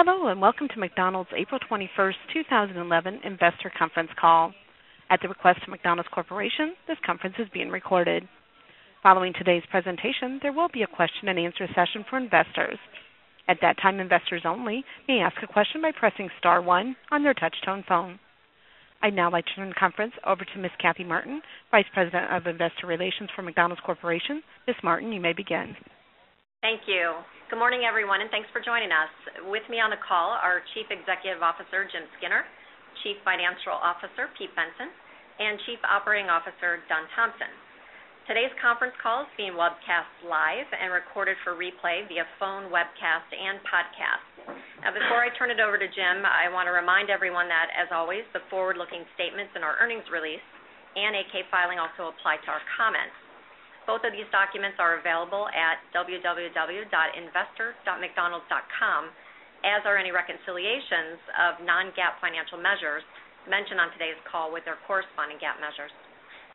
Hello, and welcome to McDonald's April 21, 2011 Investor Conference Call. At the request of McDonald's Corporation, this conference is being recorded. Following today's presentation, there will be a question and answer session for investors. At that time, investors only may ask a question by pressing star one on their touch-tone phone. I'd now like to turn the conference over to Ms. Kathy Martin, Vice President of Investor Relations for McDonald's Corporation. Ms. Martin, you may begin. Thank you. Good morning, everyone, and thanks for joining us. With me on the call are Chief Executive Officer Jim Skinner, Chief Financial Officer Pete Benson, and Chief Operating Officer Don Thompson. Today's conference call is being webcast live and recorded for replay via phone, webcast, and podcast. Before I turn it over to Jim, I want to remind everyone that, as always, the forward-looking statements in our earnings release and 8-K filing also apply to our comment. Both of these documents are available at www.investor.mcdonalds.com, as are any reconciliations of non-GAAP financial measures mentioned on today's call with their corresponding GAAP measures.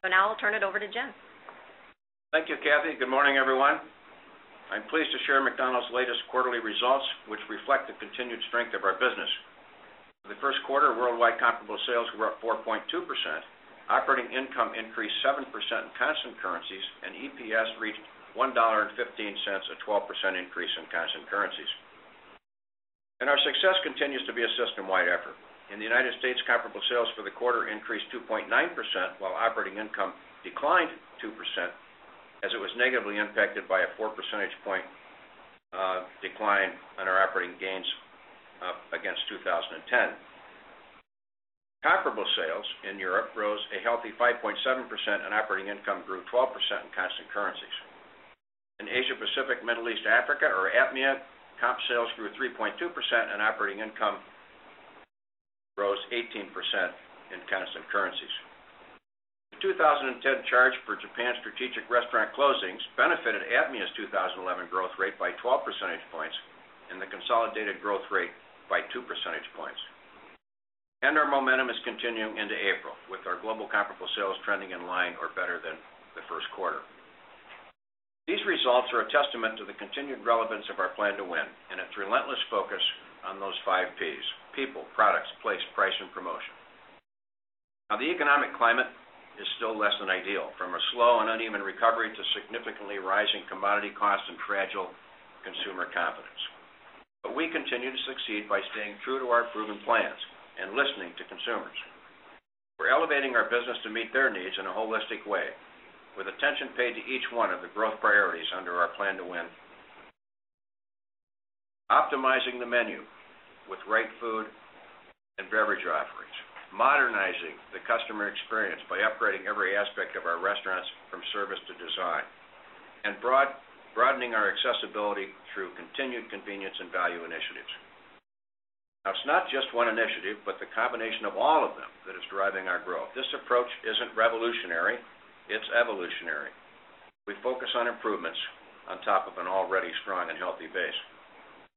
Now I'll turn it over to Jim. Thank you, Kathy. Good morning, everyone. I'm pleased to share McDonald's latest quarterly results, which reflect the continued strength of our business. For the first quarter, worldwide comparable sales were up 4.2%, operating income increased 7% in constant currencies, and EPS reached $1.15, a 12% increase in constant currencies. Our success continues to be a system-wide effort. In the United States, comparable sales for the quarter increased 2.9%, while operating income declined 2%, as it was negatively impacted by a 4 percentage point decline in our operating gains against 2010. Comparable sales in Europe rose a healthy 5.7%, and operating income grew 12% in constant currencies. In Asia-Pacific/Middle East/Africa, or APMEA, comparable sales grew 3.2%, and operating income rose 18% in constant currencies. The 2010 charge for Japan's strategic restaurant closings benefited APMEA's 2011 growth rate by 12 percentage points and the consolidated growth rate by 2 percentage points. Our momentum is continuing into April, with our global comparable sales trending in line or better than the first quarter. These results are a testament to the continued relevance of our Plan to Win and its relentless focus on those five P's: people, products, place, price, and promotion. The economic climate is still less than ideal, from a slow and uneven recovery to significantly rising commodity costs and fragile consumer confidence. We continue to succeed by staying true to our proven plans and listening to consumers. We're elevating our business to meet their needs in a holistic way, with attention paid to each one of the growth priorities under our Plan to Win. Optimizing the menu with the right food and beverage offerings, modernizing the customer experience by upgrading every aspect of our restaurants from service to design, and broadening our accessibility through continued convenience and value initiatives. It's not just one initiative, but the combination of all of them that is driving our growth. This approach isn't revolutionary, it's evolutionary. We focus on improvements on top of an already strong and healthy base.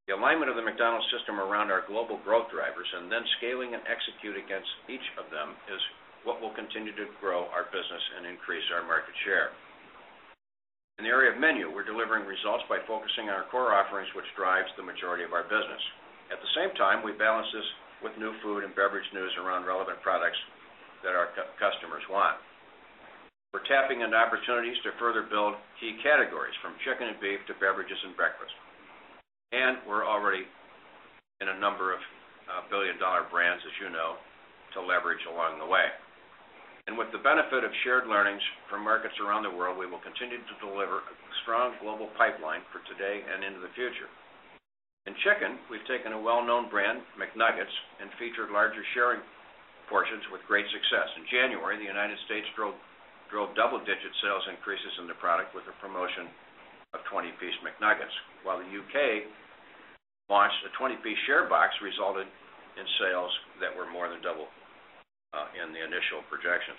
The alignment of the McDonald's system around our global growth drivers and then scaling and executing against each of them is what will continue to grow our business and increase our market share. In the area of menu, we're delivering results by focusing on our core offerings, which drive the majority of our business. At the same time, we balance this with new food and beverage news around relevant products that our customers want. We're tapping into opportunities to further build key categories from chicken and beef to beverages and breakfast. We're already in a number of billion-dollar brands, as you know, to leverage along the way. With the benefit of shared learnings from markets around the world, we will continue to deliver a strong global pipeline for today and into the future. In chicken, we've taken a well-known brand, McNuggets, and featured larger sharing portions with great success. In January, the United States drove double-digit sales increases in the product with a promotion of 20-piece McNuggets, while the UK launched a 20-piece share box that resulted in sales that were more than double the initial projections.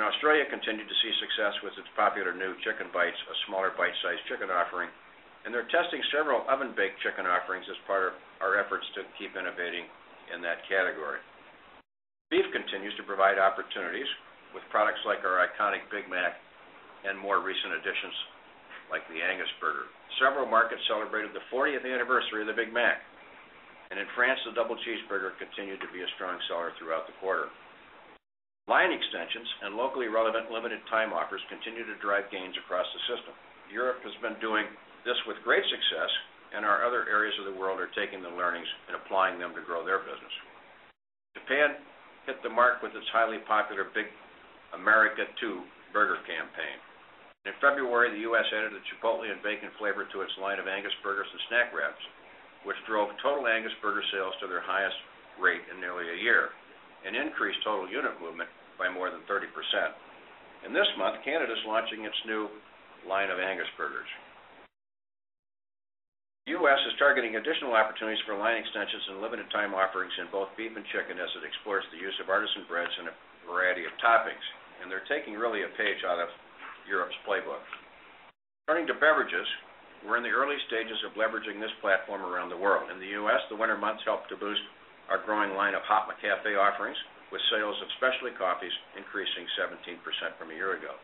Australia continued to see success with its popular new chicken bites, a smaller bite-sized chicken offering, and they're testing several oven-baked chicken offerings as part of our efforts to keep innovating in that category. Beef continues to provide opportunities with products like our iconic Big Mac and more recent additions like the Angus Burger. Several markets celebrated the 40th anniversary of the Big Mac. And in France, the double cheeseburger continued to be a strong seller throughout the quarter. Line extensions and locally relevant limited-time offers continue to drive gains across the system. Europe has been doing this with great success, and our other areas of the world are taking the learnings and applying them to grow their business. Japan hit the mark with its highly popular Big America 2 burger campaign. In February, the U.S. added the chipotle and bacon flavor to its line of Angus Burgers and Snack Wraps, which drove total Angus Burger sales to their highest rate in nearly a year and increased total unit movement by more than 30%. This month, Canada is launching its new line of Angus Burgers. The U.S. is targeting additional opportunities for line extensions and limited-time offerings in both beef and chicken as it explores the use of artisan breads and a variety of toppings. They're taking really a page out of Europe's playbook. Turning to beverages, we're in the early stages of leveraging this platform around the world. In the U.S., the winter months helped to boost our growing line of hot McCafé offerings, with sales of specialty coffees increasing 17% from a year ago.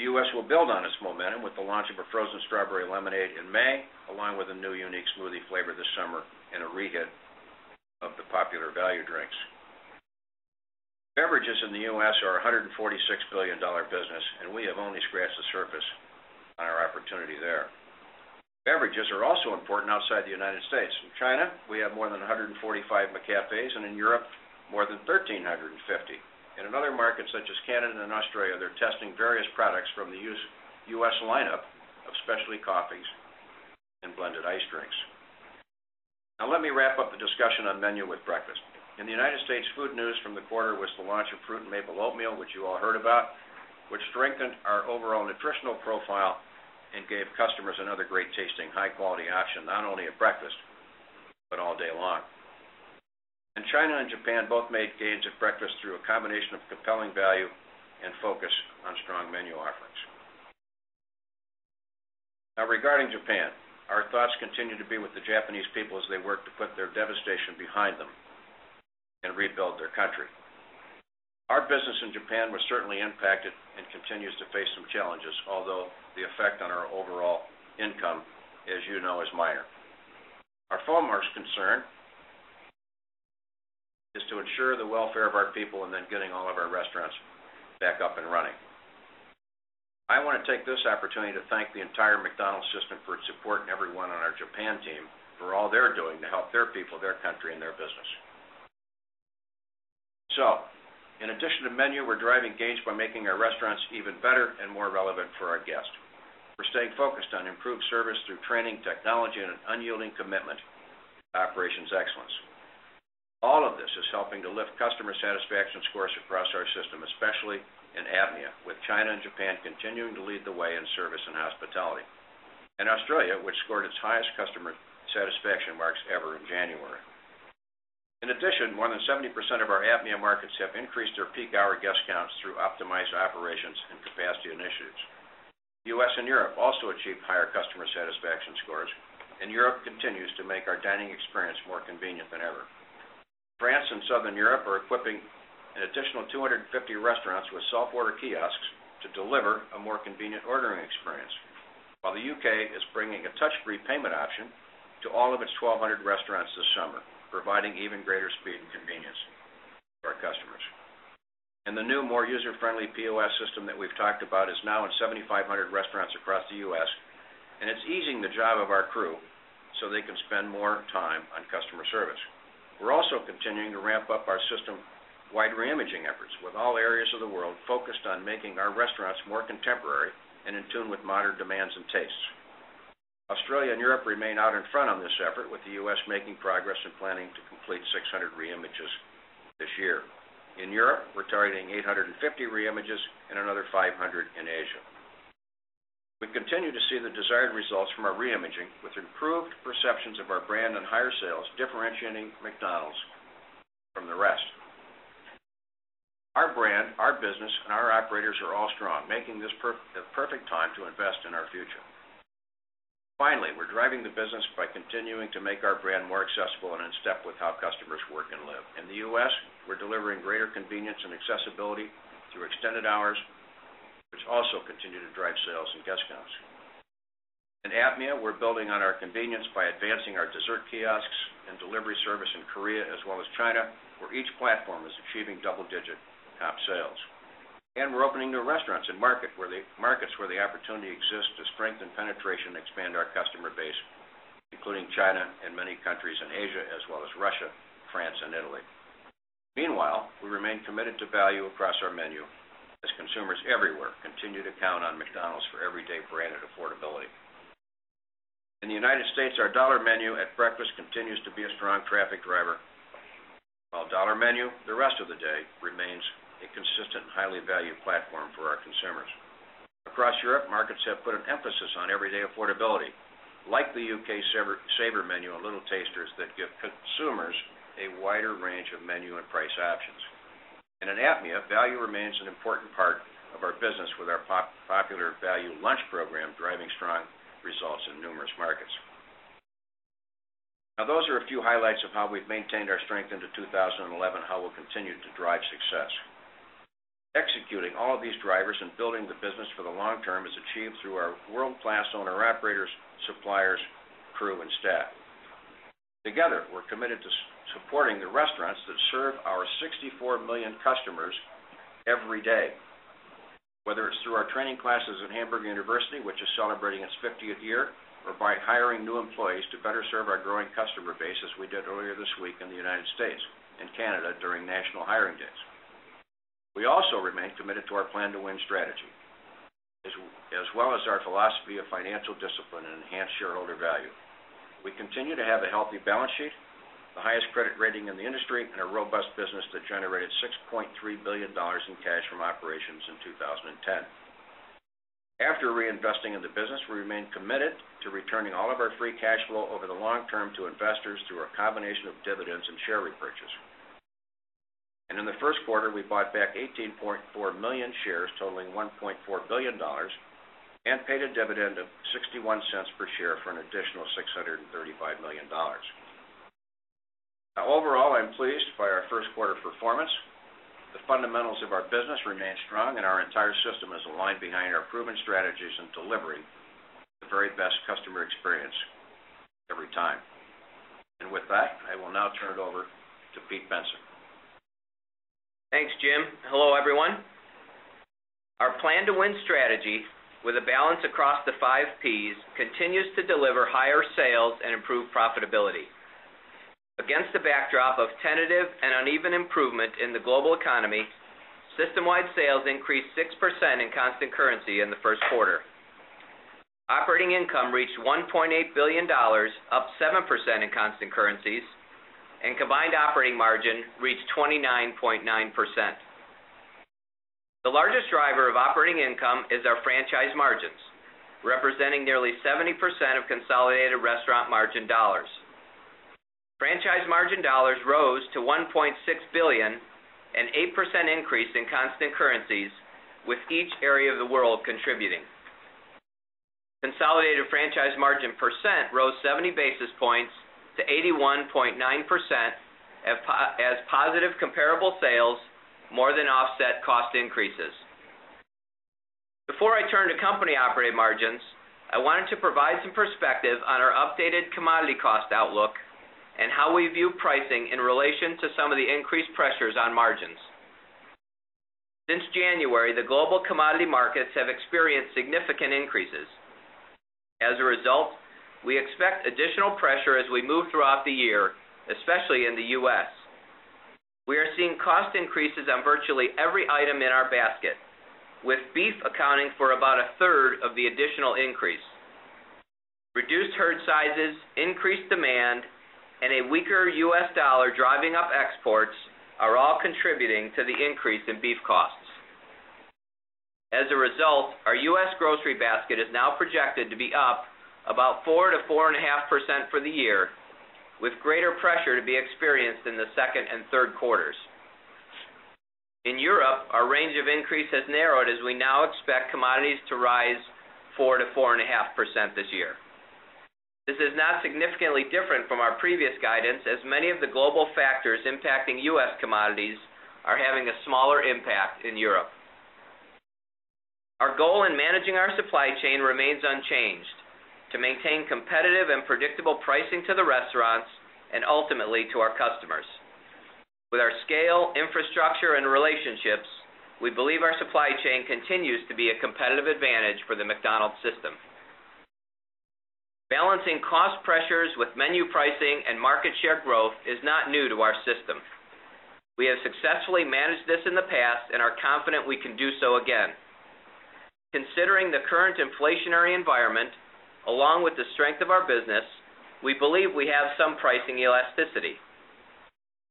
The U.S. will build on its momentum with the launch of a frozen strawberry lemonade in May, along with a new unique smoothie flavor this summer and a re-hit of the popular value drinks. Beverages in the U.S. are a $146 billion business, and we have only scratched the surface on our opportunity there. Beverages are also important outside the United States. In China, we have more than 145 McCafés, and in Europe, more than 1,350. In other markets such as Canada and Australia, they're testing various products from the U.S. lineup of specialty coffees and blended ice drinks. Now, let me wrap up the discussion on menu with breakfast. In the United States, food news from the quarter was the launch of fruit and maple oatmeal, which you all heard about, which strengthened our overall nutritional profile and gave customers another great tasting high-quality option, not only at breakfast but all day long. In China and Japan, both made gains at breakfast through a combination of compelling value and focus on strong menu offerings. Now, regarding Japan, our thoughts continue to be with the Japanese people as they work to put their devastation behind them and rebuild their country. Our business in Japan was certainly impacted and continues to face some challenges, although the effect on our overall income, as you know, is minor. Our foremost concern is to ensure the welfare of our people and then getting all of our restaurants back up and running. I want to take this opportunity to thank the entire McDonald's system for its support and everyone on our Japan team for all they're doing to help their people, their country, and their business. In addition to menu, we're driving gains by making our restaurants even better and more relevant for our guests. We're staying focused on improved service through training, technology, and an unyielding commitment to operations excellence. All of this is helping to lift customer satisfaction scores across our system, especially in APMEA, with China and Japan continuing to lead the way in service and hospitality, and Australia, which scored its highest customer satisfaction marks ever in January. In addition, more than 70% of our APMEA markets have increased their peak hour guest counts through optimized operations and capacity initiatives. U.S. and Europe also achieve higher customer satisfaction scores, and Europe continues to make our dining experience more convenient than ever. France and Southern Europe are equipping an additional 250 restaurants with software kiosks to deliver a more convenient ordering experience, while the UK is bringing a touch-free payment option to all of its 1,200 restaurants this summer, providing even greater speed and convenience for our customers. The new, more user-friendly POS system that we've talked about is now in 7,500 restaurants across the U.S., and it's easing the job of our crew so they can spend more time on customer service. We're also continuing to ramp up our system-wide reimaging efforts with all areas of the world focused on making our restaurants more contemporary and in tune with modern demands and tastes. Australia and Europe remain out in front on this effort, with the U.S.making progress and planning to complete 600 reimages this year. In Europe, we're targeting 850 reimages and another 500 in Asia. We continue to see the desired results from our reimaging, with improved perceptions of our brand and higher sales differentiating McDonald's from the rest. Our brand, our business, and our operators are all strong, making this a perfect time to invest in our future. Finally, we're driving the business by continuing to make our brand more accessible and in step with how customers work and live. In the U.S., we're delivering greater convenience and accessibility through extended hours, which also continue to drive sales and guest counts. In APMEA, we're building on our convenience by advancing our dessert kiosks and delivery service in Korea, as well as China, where each platform is achieving double-digit top sales. We're opening new restaurants and markets where the opportunity exists to strengthen penetration and expand our customer base, including China and many countries in Asia, as well as Russia, France, and Italy. Meanwhile, we remain committed to value across our menu as consumers everywhere continue to count on McDonald's for everyday brand and affordability. In the United States, our Dollar Menu at breakfast continues to be a strong traffic driver, while Dollar Menu the rest of the day remains a consistent and highly valued platform for our consumers. Across Europe, markets have put an emphasis on everyday affordability, like the UK Savor Menu and Little Tasters that give consumers a wider range of menu and price options. In APMEA, value remains an important part of our business, with our popular value lunch program driving strong results in numerous markets. Now, those are a few highlights of how we've maintained our strength into 2011 and how we'll continue to drive success. Executing all of these drivers and building the business for the long term is achieved through our world-class owner-operators, suppliers, crew, and staff. Together, we're committed to supporting the restaurants that serve our 64 million customers every day, whether it's through our training classes at Hamburger University, which is celebrating its 50th year, or by hiring new employees to better serve our growing customer base, as we did earlier this week in the United States and Canada during National Hiring Days. We also remain committed to our Plan to Win strategy, as well as our philosophy of financial discipline and enhanced shareholder value. We continue to have a healthy balance sheet, the highest credit rating in the industry, and a robust business that generated $6.3 billion in cash from operations in 2010. After reinvesting in the business, we remain committed to returning all of our free cash flow over the long term to investors through a combination of dividends and share repurchases. In the first quarter, we bought back 18.4 million shares, totaling $1.4 billion, and paid a dividend of $0.61 per share for an additional $635 million. Overall, I'm pleased by our first quarter performance. The fundamentals of our business remain strong, and our entire system is aligned behind our proven strategies in delivering the very best customer experience every time. With that, I will now turn it over to Pete Benson. Thanks, Jim. Hello, everyone. Our Plan to Win strategy with a balance across the five P's continues to deliver higher sales and improve profitability. Against the backdrop of tentative and uneven improvement in the global economy, system-wide sales increased 6% in constant currencies in the first quarter. Operating income reached $1.8 billion, up 7% in constant currencies, and combined operating margin reached 29.9%. The largest driver of operating income is our franchise margins, representing nearly 70% of consolidated restaurant margin dollars. Franchise margin dollars rose to $1.6 billion, an 8% increase in constant currencies, with each area of the world contributing. Consolidated franchise margin percent rose 70 basis points to 81.9%, as positive comparable sales more than offset cost increases. Before I turn to company operating margins, I wanted to provide some perspective on our updated commodity cost outlook and how we view pricing in relation to some of the increased pressures on margins. Since January, the global commodity markets have experienced significant increases. As a result, we expect additional pressure as we move throughout the year, especially in the U.S. We are seeing cost increases on virtually every item in our basket, with beef accounting for about a third of the additional increase. Reduced herd sizes, increased demand, and a weaker U.S. dollar driving up exports are all contributing to the increase in beef costs. As a result, our U.S. grocery basket is now projected to be up about 4%-4.5% for the year, with greater pressure to be experienced in the second and third quarters. In Europe, our range of increase has narrowed as we now expect commodities to rise 4%-4.5% this year. This is not significantly different from our previous guidance, as many of the global factors impacting U.S. commodities are having a smaller impact in Europe. Our goal in managing our supply chain remains unchanged to maintain competitive and predictable pricing to the restaurants and ultimately to our customers. With our scale, infrastructure, and relationships, we believe our supply chain continues to be a competitive advantage for the McDonald's system. Balancing cost pressures with menu pricing and market share growth is not new to our system. We have successfully managed this in the past and are confident we can do so again. Considering the current inflationary environment, along with the strength of our business, we believe we have some pricing elasticity.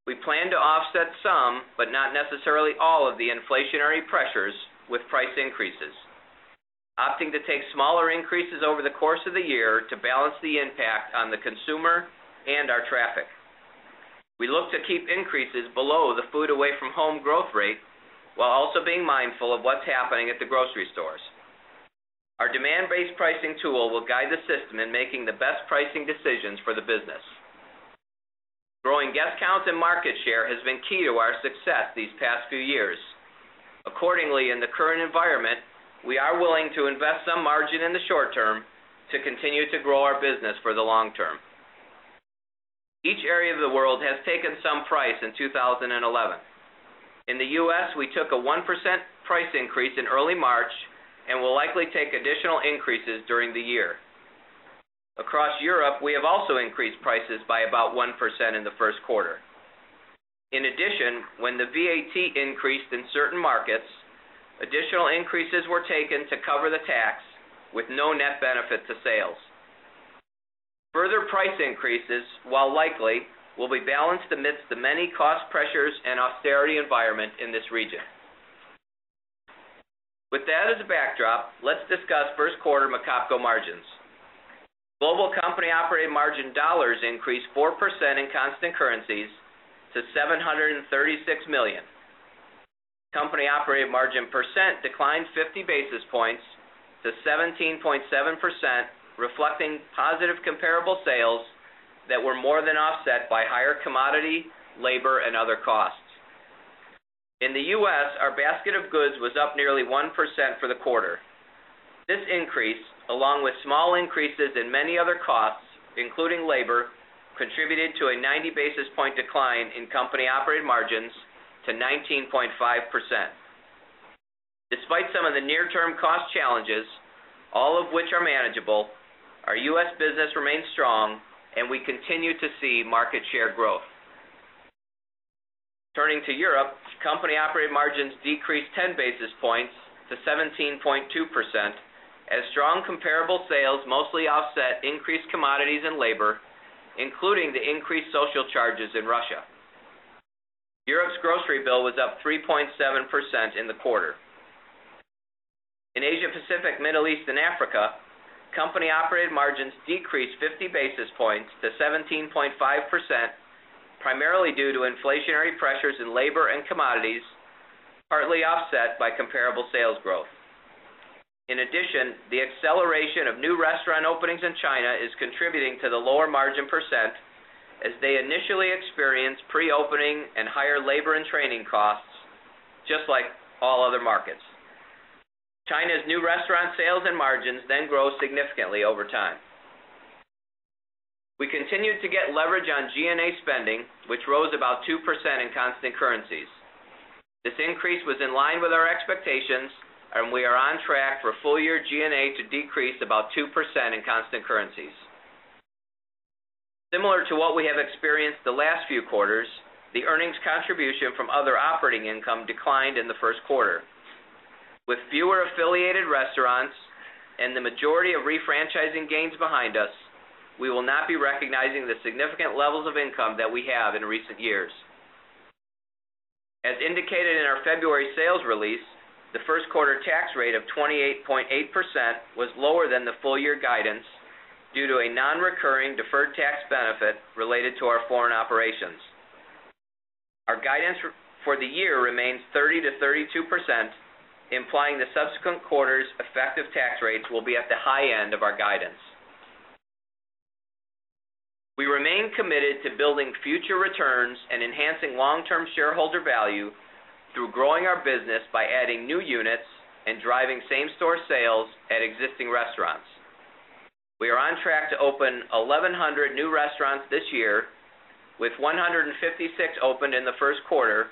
We plan to offset some, but not necessarily all, of the inflationary pressures with price increases, opting to take smaller increases over the course of the year to balance the impact on the consumer and our traffic. We look to keep increases below the food away from home growth rate, while also being mindful of what's happening at the grocery stores. Our demand-based pricing tool will guide the system in making the best pricing decisions for the business. Growing guest counts and market share has been key to our success these past few years. Accordingly, in the current environment, we are willing to invest some margin in the short term to continue to grow our business for the long term. Each area of the world has taken some price in 2011. In the U.S., we took a 1% price increase in early March and will likely take additional increases during the year. Across Europe, we have also increased prices by about 1% in the first quarter. In addition, when the VAT increased in certain markets, additional increases were taken to cover the tax, with no net benefit to sales. Further price increases, while likely, will be balanced amidst the many cost pressures and austerity environment in this region. With that as a backdrop, let's discuss first quarter company margins. Global company operating margin dollars increased 4% in constant currencies to $736 million. Company operating margin percent declined 50 basis points to 17.7%, reflecting positive comparable sales that were more than offset by higher commodity, labor, and other costs. In the U.S., our basket of goods was up nearly 1% for the quarter. This increase, along with small increases in many other costs, including labor, contributed to a 90 basis point decline in company operating margins to 19.5%. Despite some of the near-term cost challenges, all of which are manageable, our U.S. business remains strong, and we continue to see market share growth. Turning to Europe, company operating margins decreased 10 basis points to 17.2%, as strong comparable sales mostly offset increased commodities and labor, including the increased social charges in Russia. Europe's grocery bill was up 3.7% in the quarter. In Asia-Pacific/Middle East/Africa, company operating margins decreased 50 basis points to 17.5%, primarily due to inflationary pressures in labor and commodities, partly offset by comparable sales growth. In addition, the acceleration of new restaurant openings in China is contributing to the lower margin %, as they initially experienced pre-opening and higher labor and training costs, just like all other markets. China's new restaurant sales and margins then grow significantly over time. We continued to get leverage on G&A spending, which rose about 2% in constant currencies. This increase was in line with our expectations, and we are on track for full-year G&A to decrease about 2% in constant currencies. Similar to what we have experienced the last few quarters, the earnings contribution from other operating income declined in the first quarter. With fewer affiliated restaurants and the majority of refranchising gains behind us, we will not be recognizing the significant levels of income that we have in recent years. As indicated in our February sales release, the first quarter tax rate of 28.8% was lower than the full-year guidance due to a non-recurring deferred tax benefit related to our foreign operations. Our guidance for the year remains 30% to 32%, implying the subsequent quarter's effective tax rates will be at the high end of our guidance. We remain committed to building future returns and enhancing long-term shareholder value through growing our business by adding new units and driving same-store sales at existing restaurants. We are on track to open 1,100 new restaurants this year, with 156 opened in the first quarter,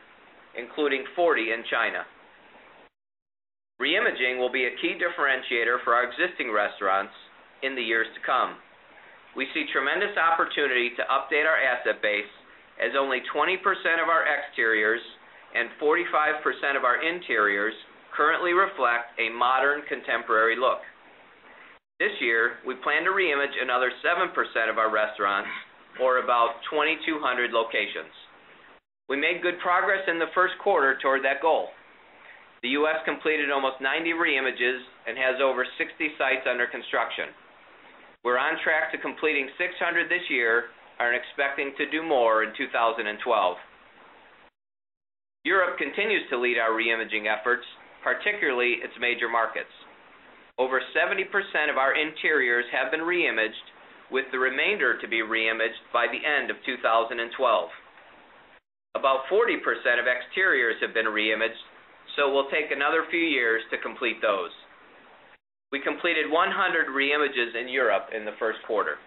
including 40 in China. Reimaging will be a key differentiator for our existing restaurants in the years to come. We see tremendous opportunity to update our asset base, as only 20% of our exteriors and 45% of our interiors currently reflect a modern contemporary look. This year, we plan to reimage another 7% of our restaurants, or about 2,200 locations. We made good progress in the first quarter toward that goal. The U.S. completed almost 90 reimages and has over 60 sites under construction. We're on track to completing 600 this year and are expecting to do more in 2012. Europe continues to lead our reimaging efforts, particularly its major markets. Over 70% of our interiors have been reimaged, with the remainder to be reimaged by the end of 2012. About 40% of exteriors have been reimaged, so we'll take another few years to complete those. We completed 100 reimages in Europe in the first quarter.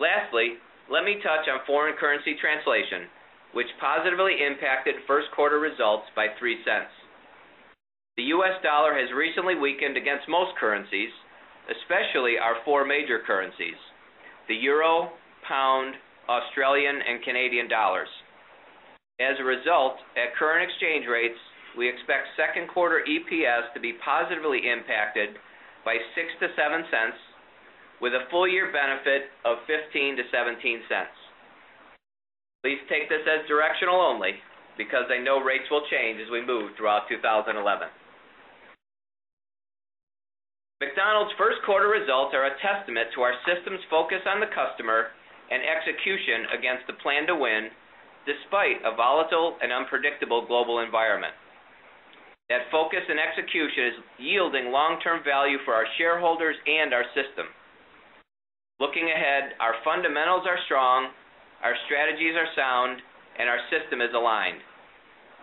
Lastly, let me touch on foreign currency translation, which positively impacted first quarter results by $0.03. The U.S. dollar has recently weakened against most currencies, especially our four major currencies: the Euro, Pound, Australian, and Canadian dollars. As a result, at current exchange rates, we expect second quarter EPS to be positively impacted by $0.06-$0.07, with a full-year benefit of $0.15-$0.17. Please take this as directional only because I know rates will change as we move throughout 2011. McDonald's first quarter results are a testament to our system's focus on the customer and execution against the plan to win, despite a volatile and unpredictable global environment. That focus and execution is yielding long-term value for our shareholders and our system. Looking ahead, our fundamentals are strong, our strategies are sound, and our system is aligned.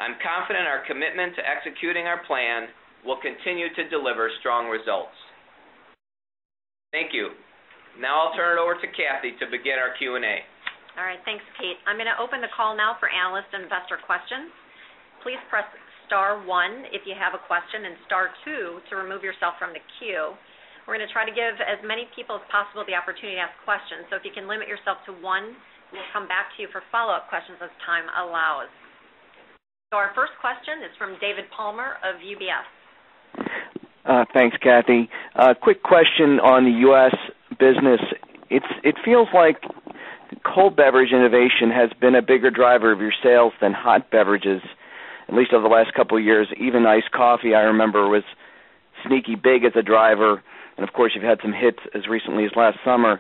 I'm confident our commitment to executing our plan will continue to deliver strong results. Thank you. Now I'll turn it over to Kathy to begin our Q&A. All right, thanks, Pete. I'm going to open the call now for analysts and investor questions. Please press star one if you have a question and star two to remove yourself from the queue. We're going to try to give as many people as possible the opportunity to ask questions. If you can limit yourself to one, we'll come back to you for follow-up questions as time allows. Our first question is from David Palmer of UBS. Thanks, Kathy. Quick question on the U.S. business. It feels like the cold beverage innovation has been a bigger driver of your sales than hot beverages, at least over the last couple of years. Even iced coffee, I remember, was sneaky big as a driver. You have had some hits as recently as last summer.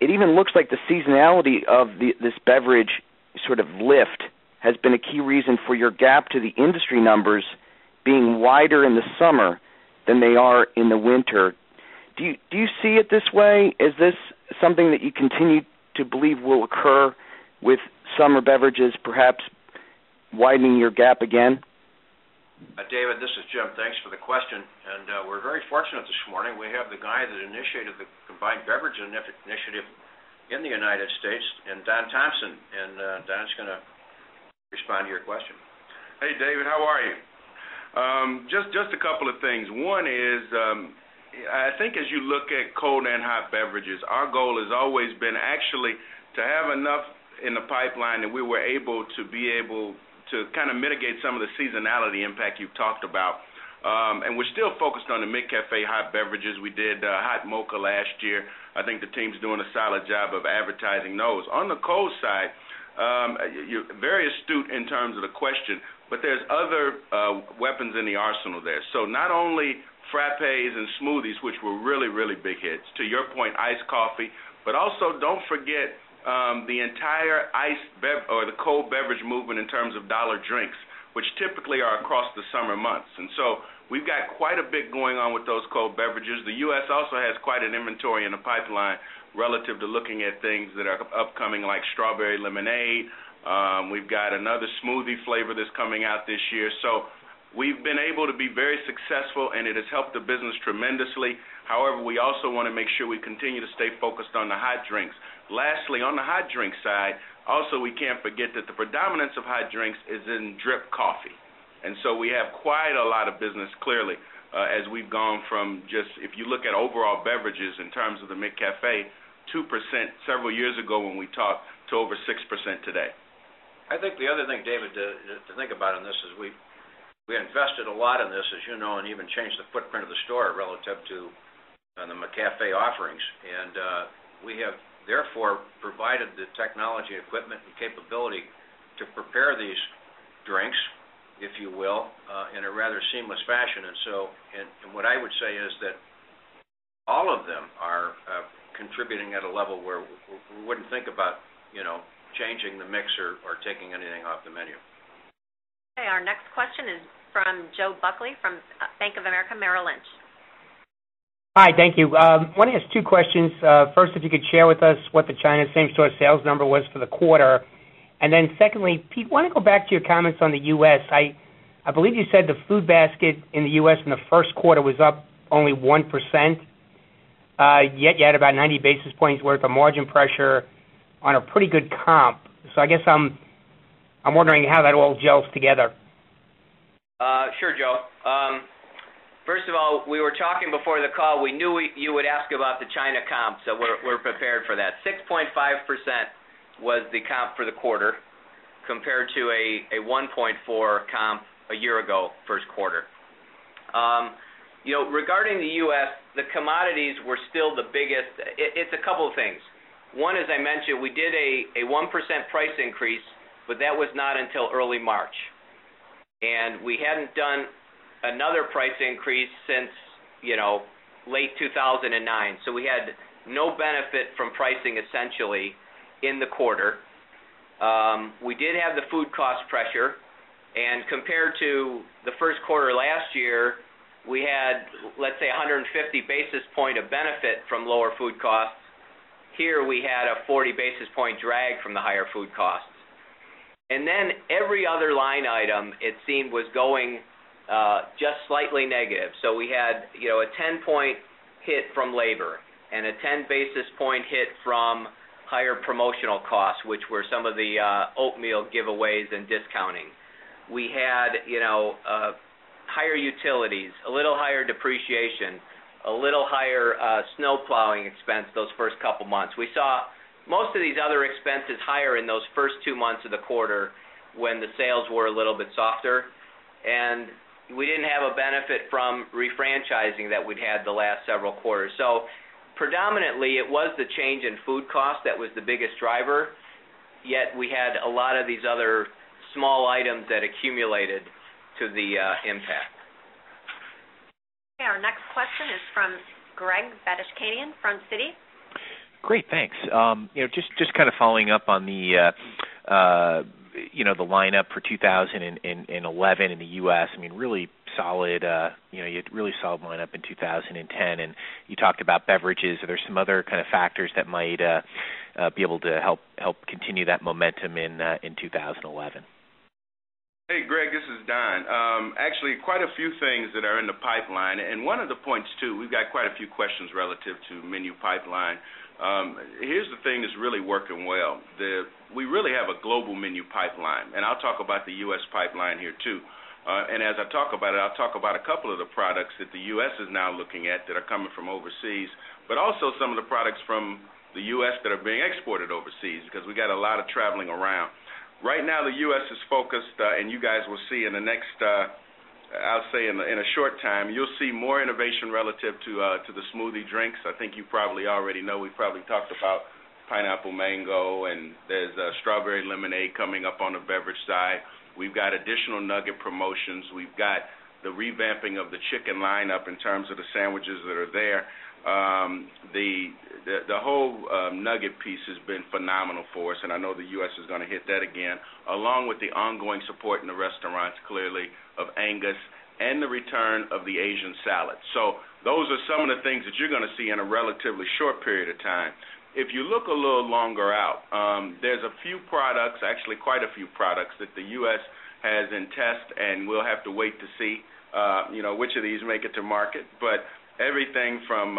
It even looks like the seasonality of this beverage sort of lift has been a key reason for your gap to the industry numbers being wider in the summer than they are in the winter. Do you see it this way? Is this something that you continue to believe will occur with summer beverages, perhaps widening your gap again? David, this is Jim. Thanks for the question. We're very fortunate this morning. We have the guy that initiated the combined beverage initiative in the United States, Don Thompson. Don's going to respond to your question. Hey, David. How are you? Just a couple of things. One is, I think as you look at cold and hot beverages, our goal has always been actually to have enough in the pipeline that we were able to be able to kind of mitigate some of the seasonality impact you've talked about. We're still focused on the McCafé hot beverages. We did hot mocha last year. I think the team's doing a solid job of advertising those. On the cold side, you're very astute in terms of the question, but there are other weapons in the arsenal there. Not only frappes and smoothies, which were really, really big hits, to your point, iced coffee, but also don't forget the entire iced or the cold beverage movement in terms of dollar drinks, which typically are across the summer months. We've got quite a bit going on with those cold beverages. The U.S. also has quite an inventory in the pipeline relative to looking at things that are upcoming, like strawberry lemonade. We've got another smoothie flavor that's coming out this year. We've been able to be very successful, and it has helped the business tremendously. However, we also want to make sure we continue to stay focused on the hot drinks. Lastly, on the hot drink side, also we can't forget that the predominance of hot drinks is in drip coffee. We have quite a lot of business clearly as we've gone from just, if you look at overall beverages in terms of the McCafé, 2% several years ago when we talked to over 6% today. I think the other thing, David, to think about in this is we invested a lot in this, as you know, and even changed the footprint of the store relative to the McCafé offerings. We have therefore provided the technology, equipment, and capability to prepare these drinks, if you will, in a rather seamless fashion. What I would say is that all of them are contributing at a level where we wouldn't think about changing the mixer or taking anything off the menu. Our next question is from Joe Buckley from Bank of America Merill Lynch. Hi, thank you. I want to ask two questions. First, if you could share with us what the China same-store sales number was for the quarter. Then, Pete, I want to go back to your comments on the U.S. I believe you said the food basket in the U.S. in the first quarter was up only 1%. Yet you had about 90 basis points' worth of margin pressure on a pretty good comp. I guess I'm wondering how that all gels together. Sure, Joe. First of all, we were talking before the call. We knew you would ask about the China comp, so we're prepared for that. 6.5% was the comp for the quarter compared to a 1.4% comp a year ago first quarter. Regarding the U.S., the commodities were still the biggest. It's a couple of things. One, as I mentioned, we did a 1% price increase, but that was not until early March. We hadn't done another price increase since late 2009. We had no benefit from pricing essentially in the quarter. We did have the food cost pressure. Compared to the first quarter last year, we had, let's say, 150 basis points of benefit from lower food costs. Here we had a 40 basis point drag from the higher food costs. Every other line item, it seemed, was going just slightly negative. We had a 10 basis point hit from labor and a 10 basis point hit from higher promotional costs, which were some of the oatmeal giveaways and discounting. We had higher utilities, a little higher depreciation, a little higher snowplowing expense those first couple of months. We saw most of these other expenses higher in those first two months of the quarter when the sales were a little bit softer. We didn't have a benefit from refranchising that we'd had the last several quarters. Predominantly, it was the change in food cost that was the biggest driver. Yet we had a lot of these other small items that accumulated to the impact. Our next question is from Greg Badishkanian from Citi. Great, thanks. Just kind of following up on the lineup for 2011 in the U.S., I mean, really solid, you had a really solid lineup in 2010. You talked about beverages. Are there some other kind of factors that might be able to help continue that momentum in 2011? Hey, Greg, this is Don. Actually, quite a few things that are in the pipeline. One of the points too, we've got quite a few questions relative to menu pipeline. Here's the thing that's really working well. We really have a global menu pipeline. I'll talk about the U.S. pipeline here too. As I talk about it, I'll talk about a couple of the products that the U.S. is now looking at that are coming from overseas, but also some of the products from the U.S. that are being exported overseas because we got a lot of traveling around. Right now, the U.S. is focused, and you guys will see in the next, I'll say in a short time, you'll see more innovation relative to the smoothie drinks. I think you probably already know we probably talked about pineapple mango, and there's strawberry lemonade coming up on the beverage side. We've got additional nugget promotions. We've got the revamping of the chicken lineup in terms of the sandwiches that are there. The whole nugget piece has been phenomenal for us. I know the U.S. is going to hit that again, along with the ongoing support in the restaurants clearly of Angus and the return of the Asian salad. Those are some of the things that you're going to see in a relatively short period of time. If you look a little longer out, there's a few products, actually quite a few products that the U.S. has in test, and we'll have to wait to see which of these make it to market. Everything from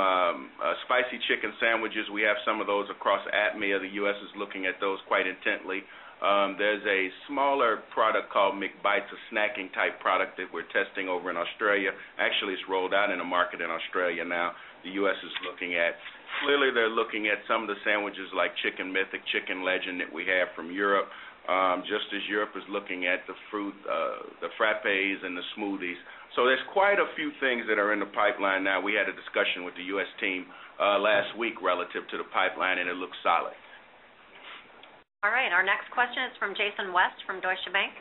spicy chicken sandwiches, we have some of those across APMEA. The U.S. is looking at those quite intently. There's a smaller product called McBites, a snacking type product that we're testing over in Australia. Actually, it's rolled out in a market in Australia now. The U.S. is looking at, clearly, they're looking at some of the sandwiches like Chicken Mythic, Chicken Legend that we have from Europe, just as Europe is looking at the fruit, the frappes, and the smoothies. There's quite a few things that are in the pipeline now. We had a discussion with the U.S. team last week relative to the pipeline, and it looks solid. All right. Our next question is from Jason West from Deutsche Bank.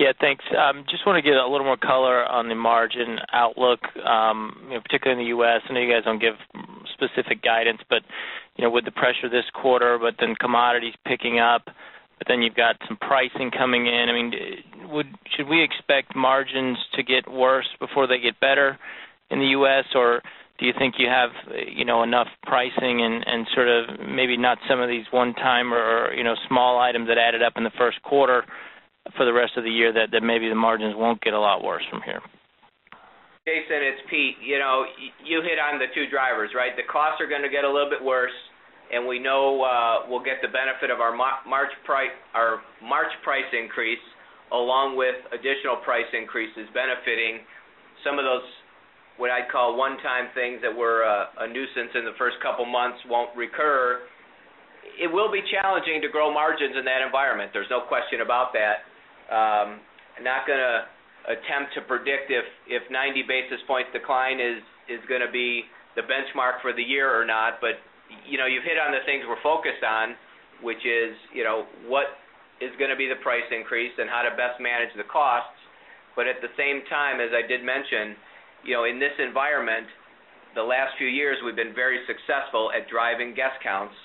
Yeah, thanks. Just want to get a little more color on the margin outlook, particularly in the U.S. I know you guys don't give specific guidance, but with the pressure this quarter, and then commodities picking up, and then you've got some pricing coming in. I mean, should we expect margins to get worse before they get better in the U.S., or do you think you have enough pricing and sort of maybe not some of these one-time or small items that added up in the first quarter for the rest of the year that maybe the margins won't get a lot worse from here? Jason, it's Pete. You hit on the two drivers, right? The costs are going to get a little bit worse, and we know we'll get the benefit of our March price increase, along with additional price increases benefiting some of those, what I'd call one-time things that were a nuisance in the first couple of months won't recur. It will be challenging to grow margins in that environment. There's no question about that. I'm not going to attempt to predict if 90 basis points decline is going to be the benchmark for the year or not. You hit on the things we're focused on, which is what is going to be the price increase and how to best manage the costs. At the same time, as I did mention, in this environment, the last few years we've been very successful at driving guest counts,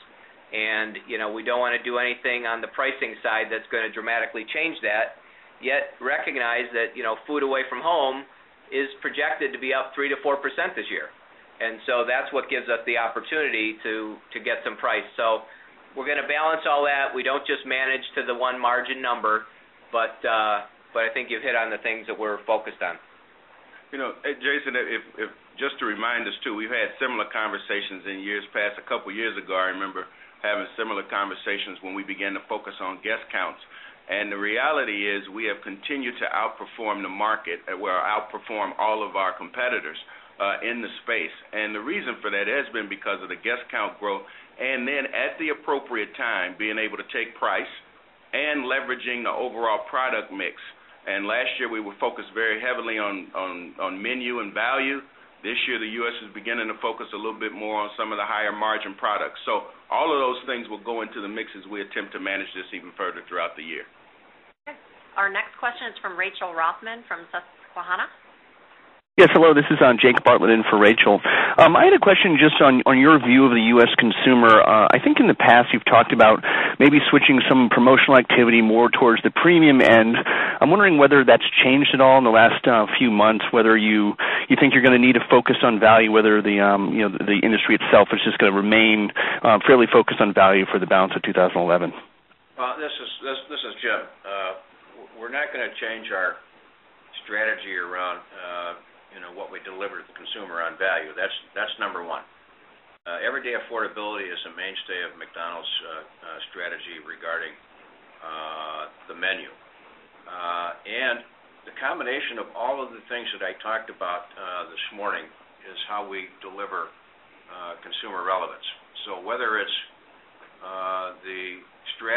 and we don't want to do anything on the pricing side that's going to dramatically change that. Yet recognize that food away from home is projected to be up 3%-4% this year. That's what gives us the opportunity to get some price. We're going to balance all that. We don't just manage to the one margin number, but I think you've hit on the things that we're focused on. Jason, just to remind us too, we've had similar conversations in years past. A couple of years ago, I remember having similar conversations when we began to focus on guest counts. The reality is we have continued to outperform the market, we outperform all of our competitors in the space. The reason for that has been because of the guest count growth and then at the appropriate time, being able to take price and leveraging the overall product mix. Last year, we were focused very heavily on menu and value. This year, the U.S. is beginning to focus a little bit more on some of the higher margin products. All of those things will go into the mix as we attempt to manage this even further throughout the year. Our next question is from Rachel Rothman from Susquehanna. Yes, hello. This is Jake Bartlett in for Rachel. I had a question just on your view of the U.S. consumer. I think in the past, you've talked about maybe switching some promotional activity more towards the premium end. I'm wondering whether that's changed at all in the last few months, whether you think you're going to need to focus on value, whether the industry itself is just going to remain fairly focused on value for the balance of 2011. This is Jim. We're not going to change our strategy around what we deliver to the consumer on value. That's number one. Everyday affordability is a mainstay of McDonald's strategy regarding the menu. The combination of all of the things that I talked about this morning is how we deliver consumer relevance.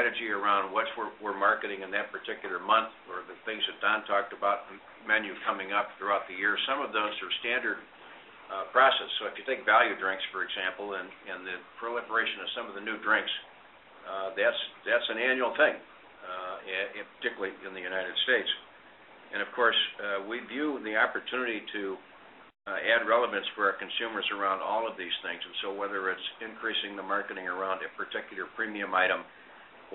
Whether it's the strategy around what we're marketing in that particular month or the things that Don talked about, the menu coming up throughout the year, some of those are standard processes. If you take value drinks, for example, and the proliferation of some of the new drinks, that's an annual thing, particularly in the United States. Of course, we view the opportunity to add relevance for our consumers around all of these things. Whether it's increasing the marketing around a particular premium item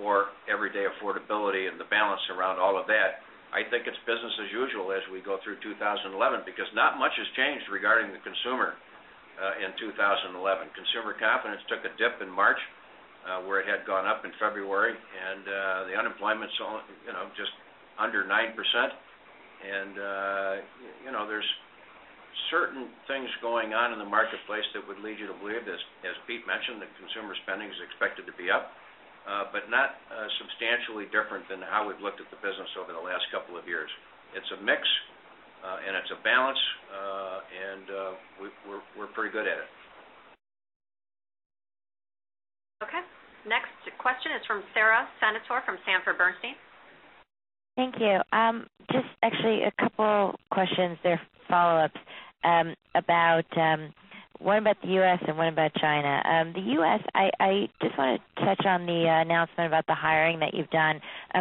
or everyday affordability and the balance around all of that, I think it's business as usual as we go through 2011 because not much has changed regarding the consumer in 2011. Consumer confidence took a dip in March, where it had gone up in February, and the unemployment's just under 9%. There are certain things going on in the marketplace that would lead you to believe, as Pete mentioned, that consumer spending is expected to be up, but not substantially different than how we've looked at the business over the last couple of years. It's a mix, and it's a balance, and we're pretty good at it. OK. Next question is from Sara Senatore from Sanford Bernstein. Thank you. Just actually a couple of questions there, follow-ups about one about the U.S. and one about China. The U.S., I just want to touch on the announcement about the hiring that you've done.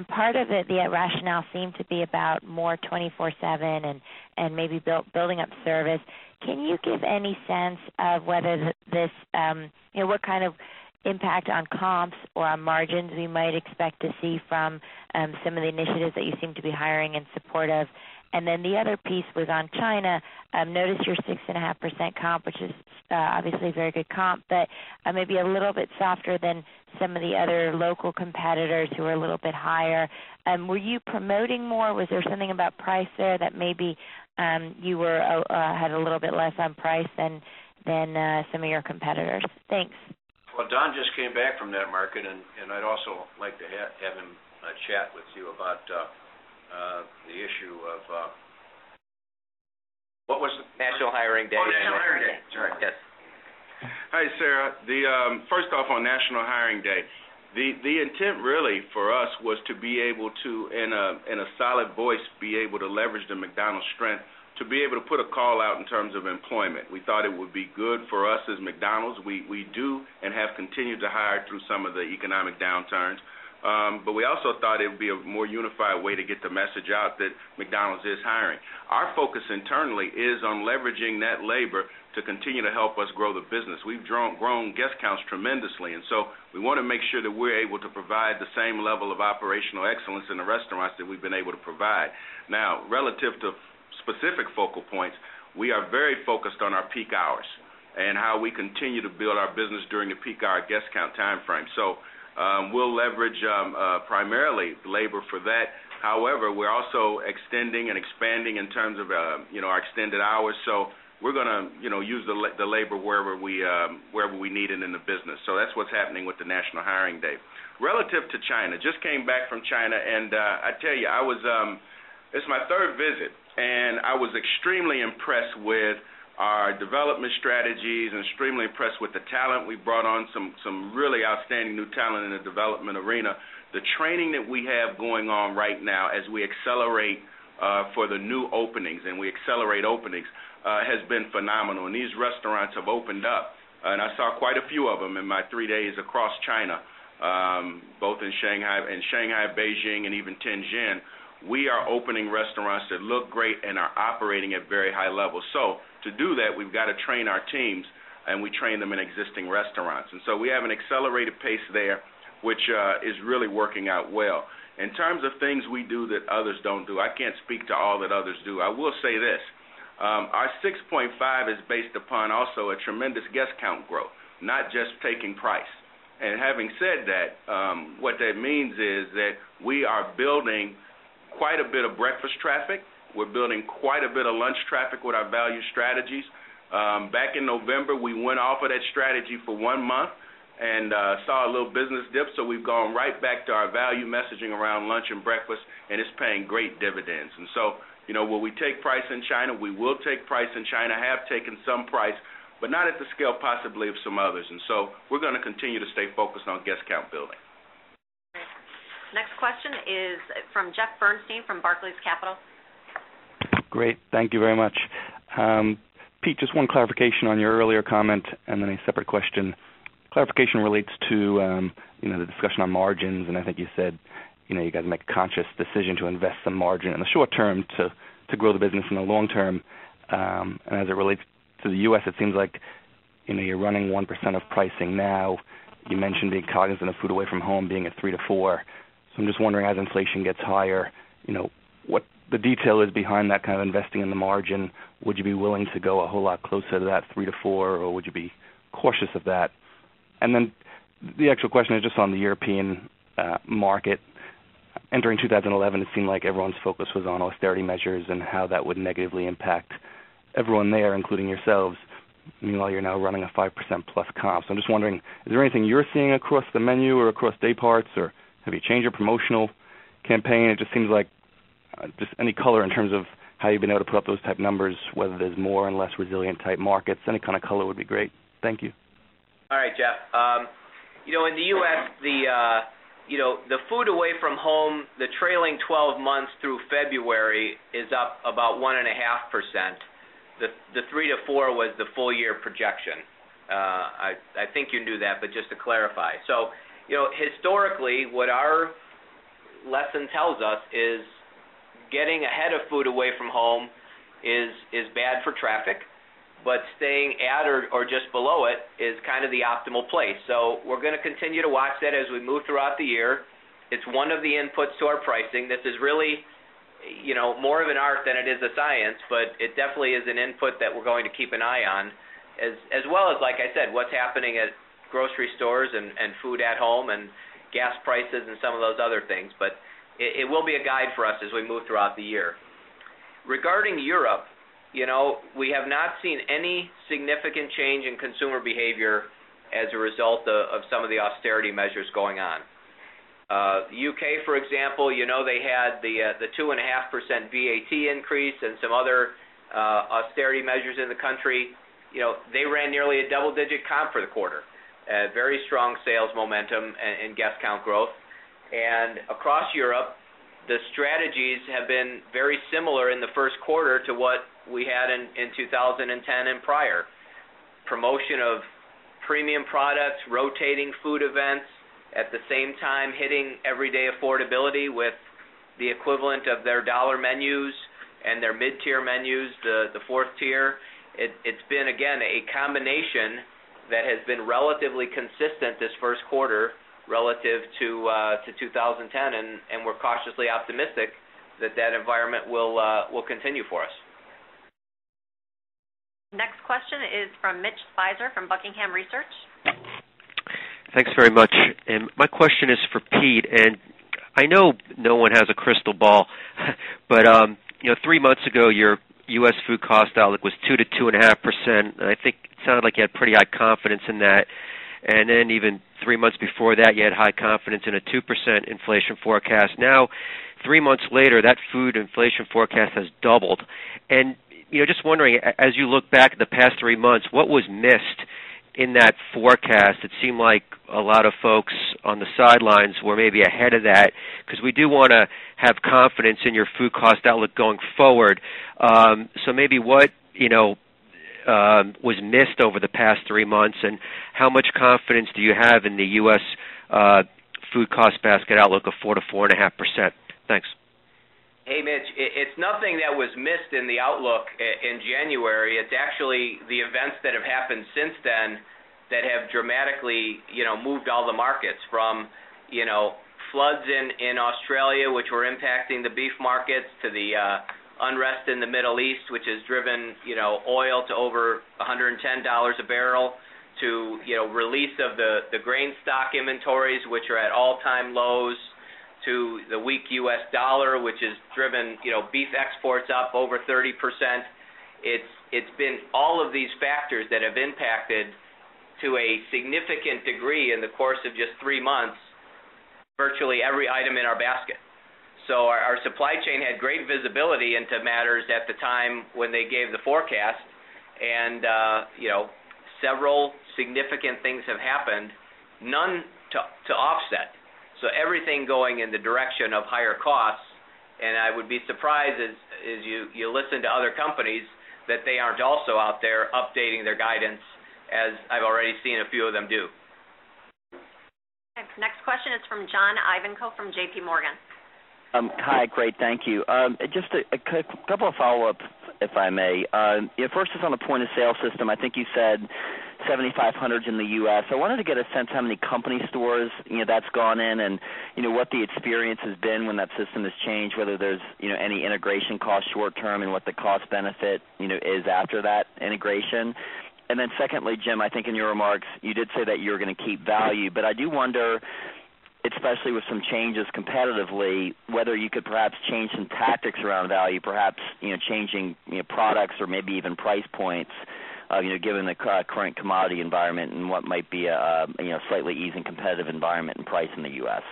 Part of the rationale seemed to be about more 24/7 and maybe building up service. Can you give any sense of whether this, you know, what kind of impact on comps or on margins we might expect to see from some of the initiatives that you seem to be hiring in support of? The other piece was on China. I noticed your 6.5% comp, which is obviously a very good comp, but maybe a little bit softer than some of the other local competitors who are a little bit higher. Were you promoting more? Was there something about price there that maybe you had a little bit less on price than some of your competitors? Thanks. Don just came back from that market, and I'd also like to have him chat with you about the issue of what was the National Hiring Day? National Hiring Day. Sorry. Yes. Hi, Sara. First off, on National Hiring Day, the intent really for us was to be able to, in a solid voice, be able to leverage the McDonald's strength to be able to put a call out in terms of employment. We thought it would be good for us as McDonald's. We do and have continued to hire through some of the economic downturns. We also thought it would be a more unified way to get the message out that McDonald's is hiring. Our focus internally is on leveraging that labor to continue to help us grow the business. We've grown guest counts tremendously, and we want to make sure that we're able to provide the same level of operational excellence in the restaurants that we've been able to provide. Now, relative to specific focal points, we are very focused on our peak hours and how we continue to build our business during the peak hour guest count time frame. We'll leverage primarily labor for that. However, we're also extending and expanding in terms of our extended hours. We're going to use the labor wherever we need it in the business. That's what's happening with the National Hiring Day. Relative to China, I just came back from China, and I tell you, it's my third visit. I was extremely impressed with our development strategies and extremely impressed with the talent we brought on, some really outstanding new talent in the development arena. The training that we have going on right now as we accelerate for the new openings, and we accelerate openings, has been phenomenal. These restaurants have opened up, and I saw quite a few of them in my three days across China, both in Shanghai, Beijing, and even Tianjin. We are opening restaurants that look great and are operating at very high levels. To do that, we've got to train our teams, and we train them in existing restaurants. We have an accelerated pace there, which is really working out well. In terms of things we do that others don't do, I can't speak to all that others do. I will say this. Our 6.5% is based upon also a tremendous guest count growth, not just taking price. Having said that, what that means is that we are building quite a bit of breakfast traffic. We're building quite a bit of lunch traffic with our value strategies. Back in November, we went off of that strategy for one month and saw a little business dip. We've gone right back to our value messaging around lunch and breakfast, and it's paying great dividends. Will we take price in China? We will take price in China, have taken some price, but not at the scale possibly of some others. We're going to continue to stay focused on guest count building. Next question is from Jeff Bernstein from Barclays Capital. Great. Thank you very much. Pete, just one clarification on your earlier comment and then a separate question. Clarification relates to the discussion on margins. I think you said you guys make a conscious decision to invest some margin in the short term to grow the business in the long term. As it relates to the U.S., it seems like you're running 1% of pricing now. You mentioned being cognizant of food away from home being at 3% to 4%. I'm just wondering, as inflation gets higher, what the detail is behind that kind of investing in the margin. Would you be willing to go a whole lot closer to that 3%-4%, or would you be cautious of that? The actual question is just on the European market. Entering 2011, it seemed like everyone's focus was on austerity measures and how that would negatively impact everyone there, including yourselves. Meanwhile, you're now running a 5% plus comp. I'm just wondering, is there anything you're seeing across the menu or across day parts, or have you changed your promotional campaign? It just seems like any color in terms of how you've been able to put up those type numbers, whether there's more and less resilient type markets, any kind of color would be great. Thank you. All right, Jeff. In the U.S., the food away from home, the trailing 12 months through February is up about 1.5%. The 3% to 4% was the full-year projection. I think you can do that, but just to clarify. Historically, what our lesson tells us is getting ahead of food away from home is bad for traffic, but staying at or just below it is kind of the optimal place. We are going to continue to watch that as we move throughout the year. It is one of the inputs to our pricing that is really more of an art than it is a science, but it definitely is an input that we are going to keep an eye on, as well as, like I said, what is happening at grocery stores and food at home and gas prices and some of those other things. It will be a guide for us as we move throughout the year. Regarding Europe, we have not seen any significant change in consumer behavior as a result of some of the austerity measures going on. The UK, for example, had the 2.5% VAT increase and some other austerity measures in the country. They ran nearly a double-digit comp for the quarter, very strong sales momentum and guest count growth. Across Europe, the strategies have been very similar in the first quarter to what we had in 2010 and prior. Promotion of premium products, rotating food events, at the same time hitting everyday affordability with the equivalent of their dollar menus and their mid-tier menus, the fourth tier. It has been, again, a combination that has been relatively consistent this first quarter relative to 2010, and we are cautiously optimistic that that environment will continue for us. Next question is from Mitch Speiser from Buckingham Research. Thanks very much. My question is for Pete. I know no one has a crystal ball, but three months ago, your U.S. food cost outlook was 2%-2.5%. I think it sounded like you had pretty high confidence in that. Even three months before that, you had high confidence in a 2% inflation forecast. Now, three months later, that food inflation forecast has doubled. I am just wondering, as you look back at the past three months, what was missed in that forecast? It seemed like a lot of folks on the sidelines were maybe ahead of that because we do want to have confidence in your food cost outlook going forward. Maybe what was missed over the past three months, and how much confidence do you have in the U.S. food cost basket outlook of 4%-4.5%? Thanks. Hey, Mitch. It's nothing that was missed in the outlook in January. It's actually the events that have happened since then that have dramatically moved all the markets, from floods in Australia, which were impacting the beef markets, to the unrest in the Middle East, which has driven oil to over $110 a barrel, to release of the grain stock inventories, which are at all-time lows, to the weak U.S. dollar, which has driven beef exports up over 30%. It's been all of these factors that have impacted to a significant degree in the course of just three months virtually every item in our basket. Our supply chain had great visibility into matters at the time when they gave the forecast. Several significant things have happened, none to offset. Everything going in the direction of higher costs. I would be surprised, as you listen to other companies, that they aren't also out there updating their guidance, as I've already seen a few of them do. Thanks. Next question is from John Ivankoe from JPMorgan. Hi, great. Thank you. Just a couple of follow-ups, if I may. First is on the point of sale system. I think you said 7,500 in the U.S. I wanted to get a sense of how many company stores that's gone in and what the experience has been when that system has changed, whether there's any integration cost short term and what the cost benefit is after that integration. Secondly, Jim, I think in your remarks, you did say that you were going to keep value. I do wonder, especially with some changes competitively, whether you could perhaps change some tactics around value, perhaps changing products or maybe even price points, given the current commodity environment and what might be a slightly easing competitive environment and price in the U.S.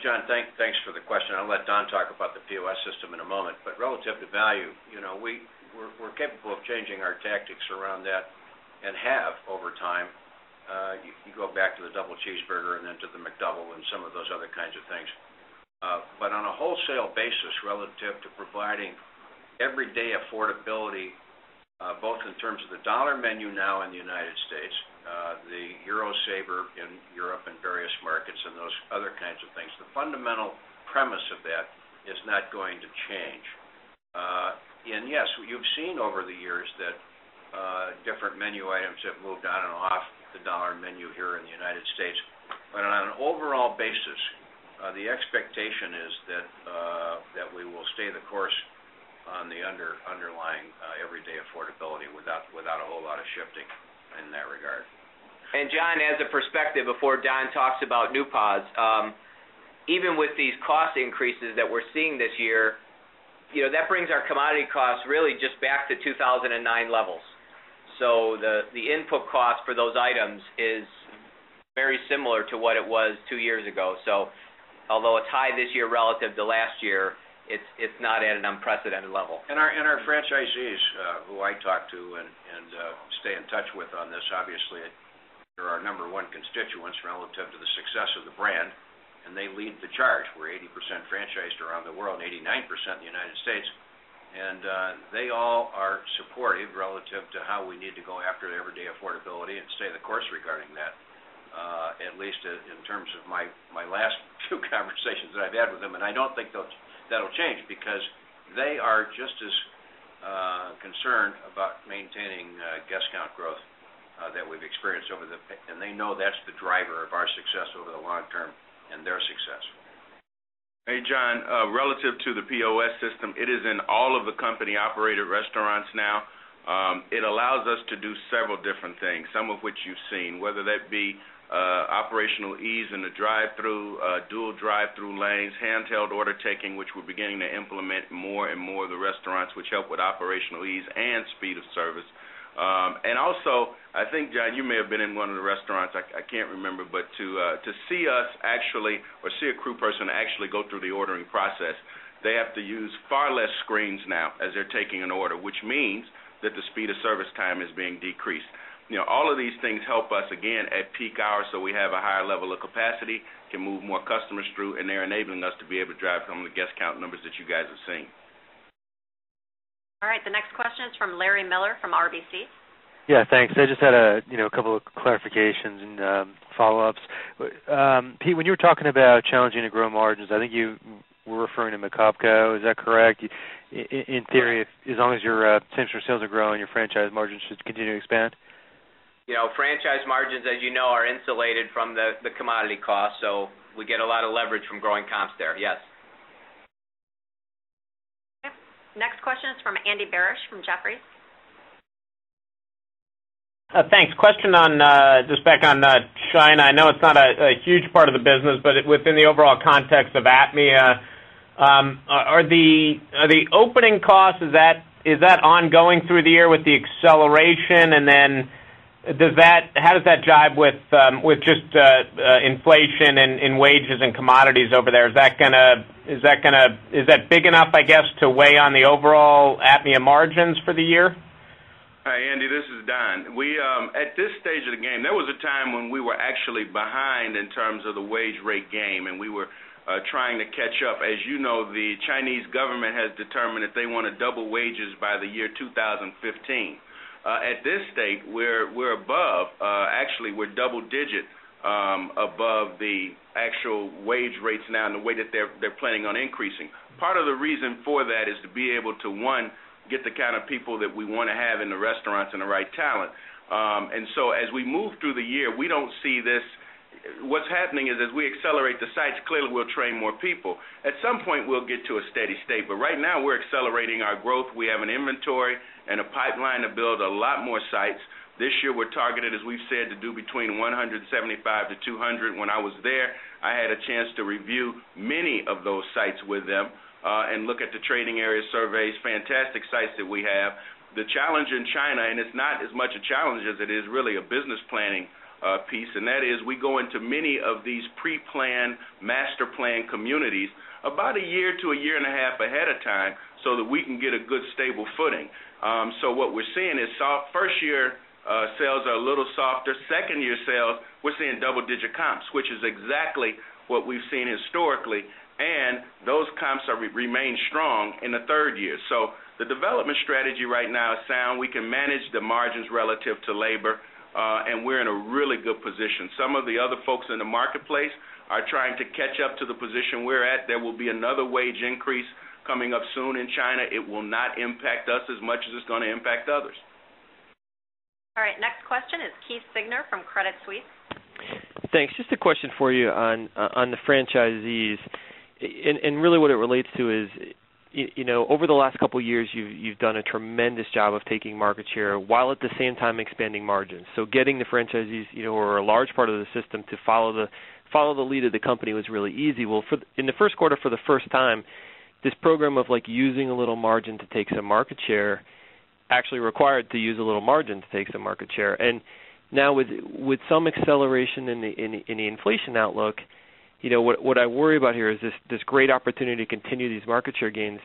John, thanks for the question. I'll let Don talk about the POS system in a moment. Relative to value, we're capable of changing our tactics around that and have over time. You go back to the double cheeseburger and then to the McDouble and some of those other kinds of things. On a wholesale basis, relative to providing everyday affordability, both in terms of the Dollar Menu now in the United States, the Eurosaver in Europe and various markets, and those other kinds of things, the fundamental premise of that is not going to change. Yes, you've seen over the years that different menu items have moved on and off the Dollar Menu here in the United States. On an overall basis, the expectation is that we will stay the course on the underlying everyday affordability without a whole lot of shifting in that regard. John, as a perspective before Don talks about NuPods, even with these cost increases that we're seeing this year, that brings our commodity costs really just back to 2009 levels. The input cost for those items is very similar to what it was two years ago. Although it's high this year relative to last year, it's not at an unprecedented level. Our franchisees, who I talk to and stay in touch with on this, obviously, they're our number one constituents relative to the success of the brand. They lead the charge. We're 80% franchised around the world, 89% in the United States. They all are supportive relative to how we need to go after everyday affordability and stay the course regarding that, at least in terms of my last few conversations that I've had with them. I don't think that'll change because they are just as concerned about maintaining guest count growth that we've experienced, and they know that's the driver of our success over the long term and their success. Hey, John. Relative to the POS system, it is in all of the company-operated restaurants now. It allows us to do several different things, some of which you've seen, whether that be operational ease in the drive-through, dual drive-through lanes, handheld order taking, which we're beginning to implement in more and more of the restaurants, which help with operational ease and speed of service. I think, John, you may have been in one of the restaurants. I can't remember. To see us actually or see a crew person actually go through the ordering process, they have to use far less screens now as they're taking an order, which means that the speed of service time is being decreased. All of these things help us, again, at peak hours, so we have a higher level of capacity, can move more customers through, and they're enabling us to be able to drive some of the guest count numbers that you guys have seen. All right, the next question is from Larry Miller from RBC. Yeah, thanks. I just had a couple of clarifications and follow-ups. Pete, when you were talking about challenging to grow margins, I think you were referring to McOpCo. Is that correct? In theory, as long as your same-store sales are growing, your franchise margins should continue to expand? Franchise margins, as you know, are insulated from the commodity costs. We get a lot of leverage from growing comps there. Yes. Next question is from Andy Barish from Jefferies. Thanks. Question just back on China. I know it's not a huge part of the business, but within the overall context of APMEA, are the opening costs, is that ongoing through the year with the acceleration? How does that jibe with just inflation in wages and commodities over there? Is that big enough, I guess, to weigh on the overall APMEA margins for the year? Hi, Andy. This is Don. At this stage of the game, there was a time when we were actually behind in terms of the wage rate game, and we were trying to catch up. As you know, the Chinese government has determined that they want to double wages by the year 2015. At this state, we're above, actually, we're double-digit above the actual wage rates now and the way that they're planning on increasing. Part of the reason for that is to be able to, one, get the kind of people that we want to have in the restaurants and the right talent. As we move through the year, we don't see this. What's happening is as we accelerate the sites, clearly we'll train more people. At some point, we'll get to a steady state. Right now, we're accelerating our growth. We have an inventory and a pipeline to build a lot more sites. This year, we're targeted, as we've said, to do between 175 to 200. When I was there, I had a chance to review many of those sites with them and look at the trading area surveys, fantastic sites that we have. The challenge in China, and it's not as much a challenge as it is really a business planning piece, is we go into many of these pre-planned, master-planned communities about a year to a year and a half ahead of time so that we can get a good stable footing. What we're seeing is first-year sales are a little softer. Second-year sales, we're seeing double-digit comps, which is exactly what we've seen historically. Those comps remain strong in the third year. The development strategy right now is sound. We can manage the margins relative to labor, and we're in a really good position. Some of the other folks in the marketplace are trying to catch up to the position we're at. There will be another wage increase coming up soon in China. It will not impact us as much as it's going to impact others. All right. Next question is Keith Signer from Crédit Suisse. Thanks. Just a question for you on the franchisees. What it relates to is over the last couple of years, you've done a tremendous job of taking market share while at the same time expanding margins. Getting the franchisees who are a large part of the system to follow the lead of the company was really easy. In the first quarter, for the first time, this program of using a little margin to take some market share actually required to use a little margin to take some market share. Now, with some acceleration in the inflation outlook, what I worry about here is this great opportunity to continue these market share gains.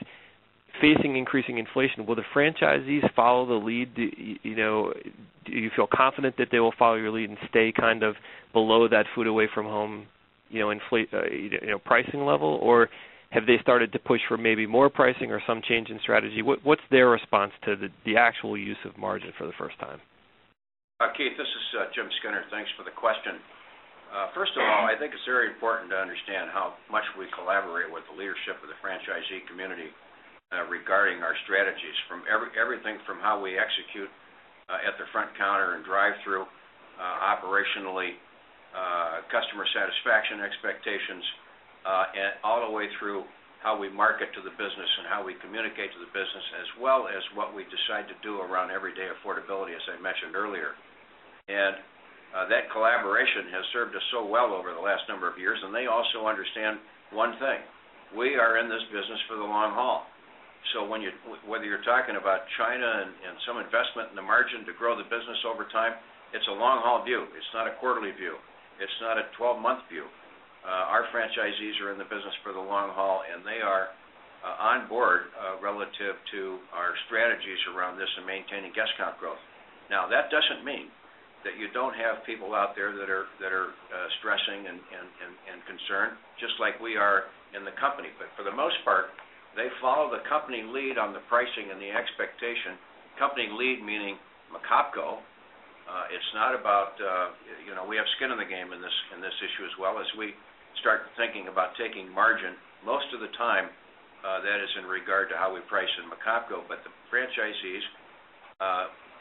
Facing increasing inflation, will the franchisees follow the lead? Do you feel confident that they will follow your lead and stay kind of below that food away from home pricing level? Have they started to push for maybe more pricing or some change in strategy? What's their response to the actual use of margin for the first time? Kate, this is Jim Skinner. Thanks for the question. First of all, I think it's very important to understand how much we collaborate with the leadership of the franchisee community regarding our strategies, everything from how we execute at the front counter and drive-through, operationally, customer satisfaction expectations, and all the way through how we market to the business and how we communicate to the business, as well as what we decide to do around everyday affordability, as I mentioned earlier. That collaboration has served us so well over the last number of years. They also understand one thing. We are in this business for the long haul. Whether you're talking about China and some investment in the margin to grow the business over time, it's a long-haul view. It's not a quarterly view. It's not a 12-month view. Our franchisees are in the business for the long haul, and they are on board relative to our strategies around this and maintaining guest count growth. That doesn't mean that you don't have people out there that are stressing and concerned, just like we are in the company. For the most part, they follow the company lead on the pricing and the expectation. Company lead meaning McOpCo. It's not about we have skin in the game in this issue, as well as we start thinking about taking margin. Most of the time, that is in regard to how we price in McOpCo. The franchisees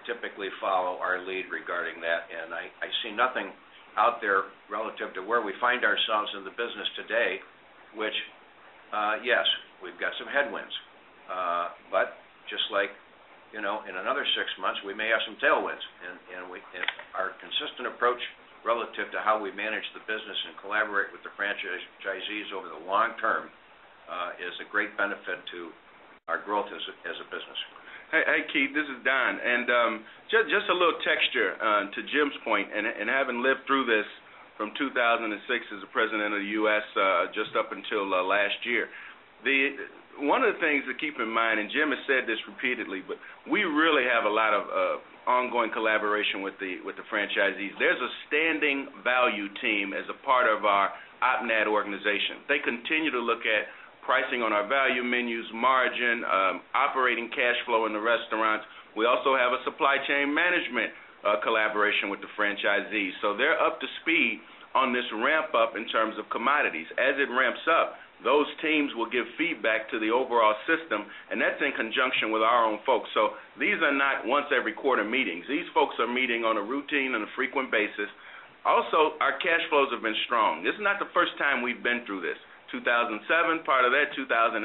typically follow our lead regarding that. I see nothing out there relative to where we find ourselves in the business today, which yes, we've got some headwinds. In another six months, we may have some tailwinds. Our consistent approach relative to how we manage the business and collaborate with the franchisees over the long term is a great benefit to our growth as a business. Hey, Kate. This is Don. Just a little texture to Jim's point, and having lived through this from 2006 as the President of the U.S. just up until last year, one of the things to keep in mind, and Jim has said this repeatedly, we really have a lot of ongoing collaboration with the franchisees. There's a standing value team as a part of our OpNet organization. They continue to look at pricing on our value menus, margin, operating cash flow in the restaurants. We also have a supply chain management collaboration with the franchisees, so they're up to speed on this ramp-up in terms of commodities. As it ramps up, those teams will give feedback to the overall system. That's in conjunction with our own folks. These are not once-every-quarter meetings. These folks are meeting on a routine and a frequent basis. Also, our cash flows have been strong. This is not the first time we've been through this. In 2007, part of that, 2008,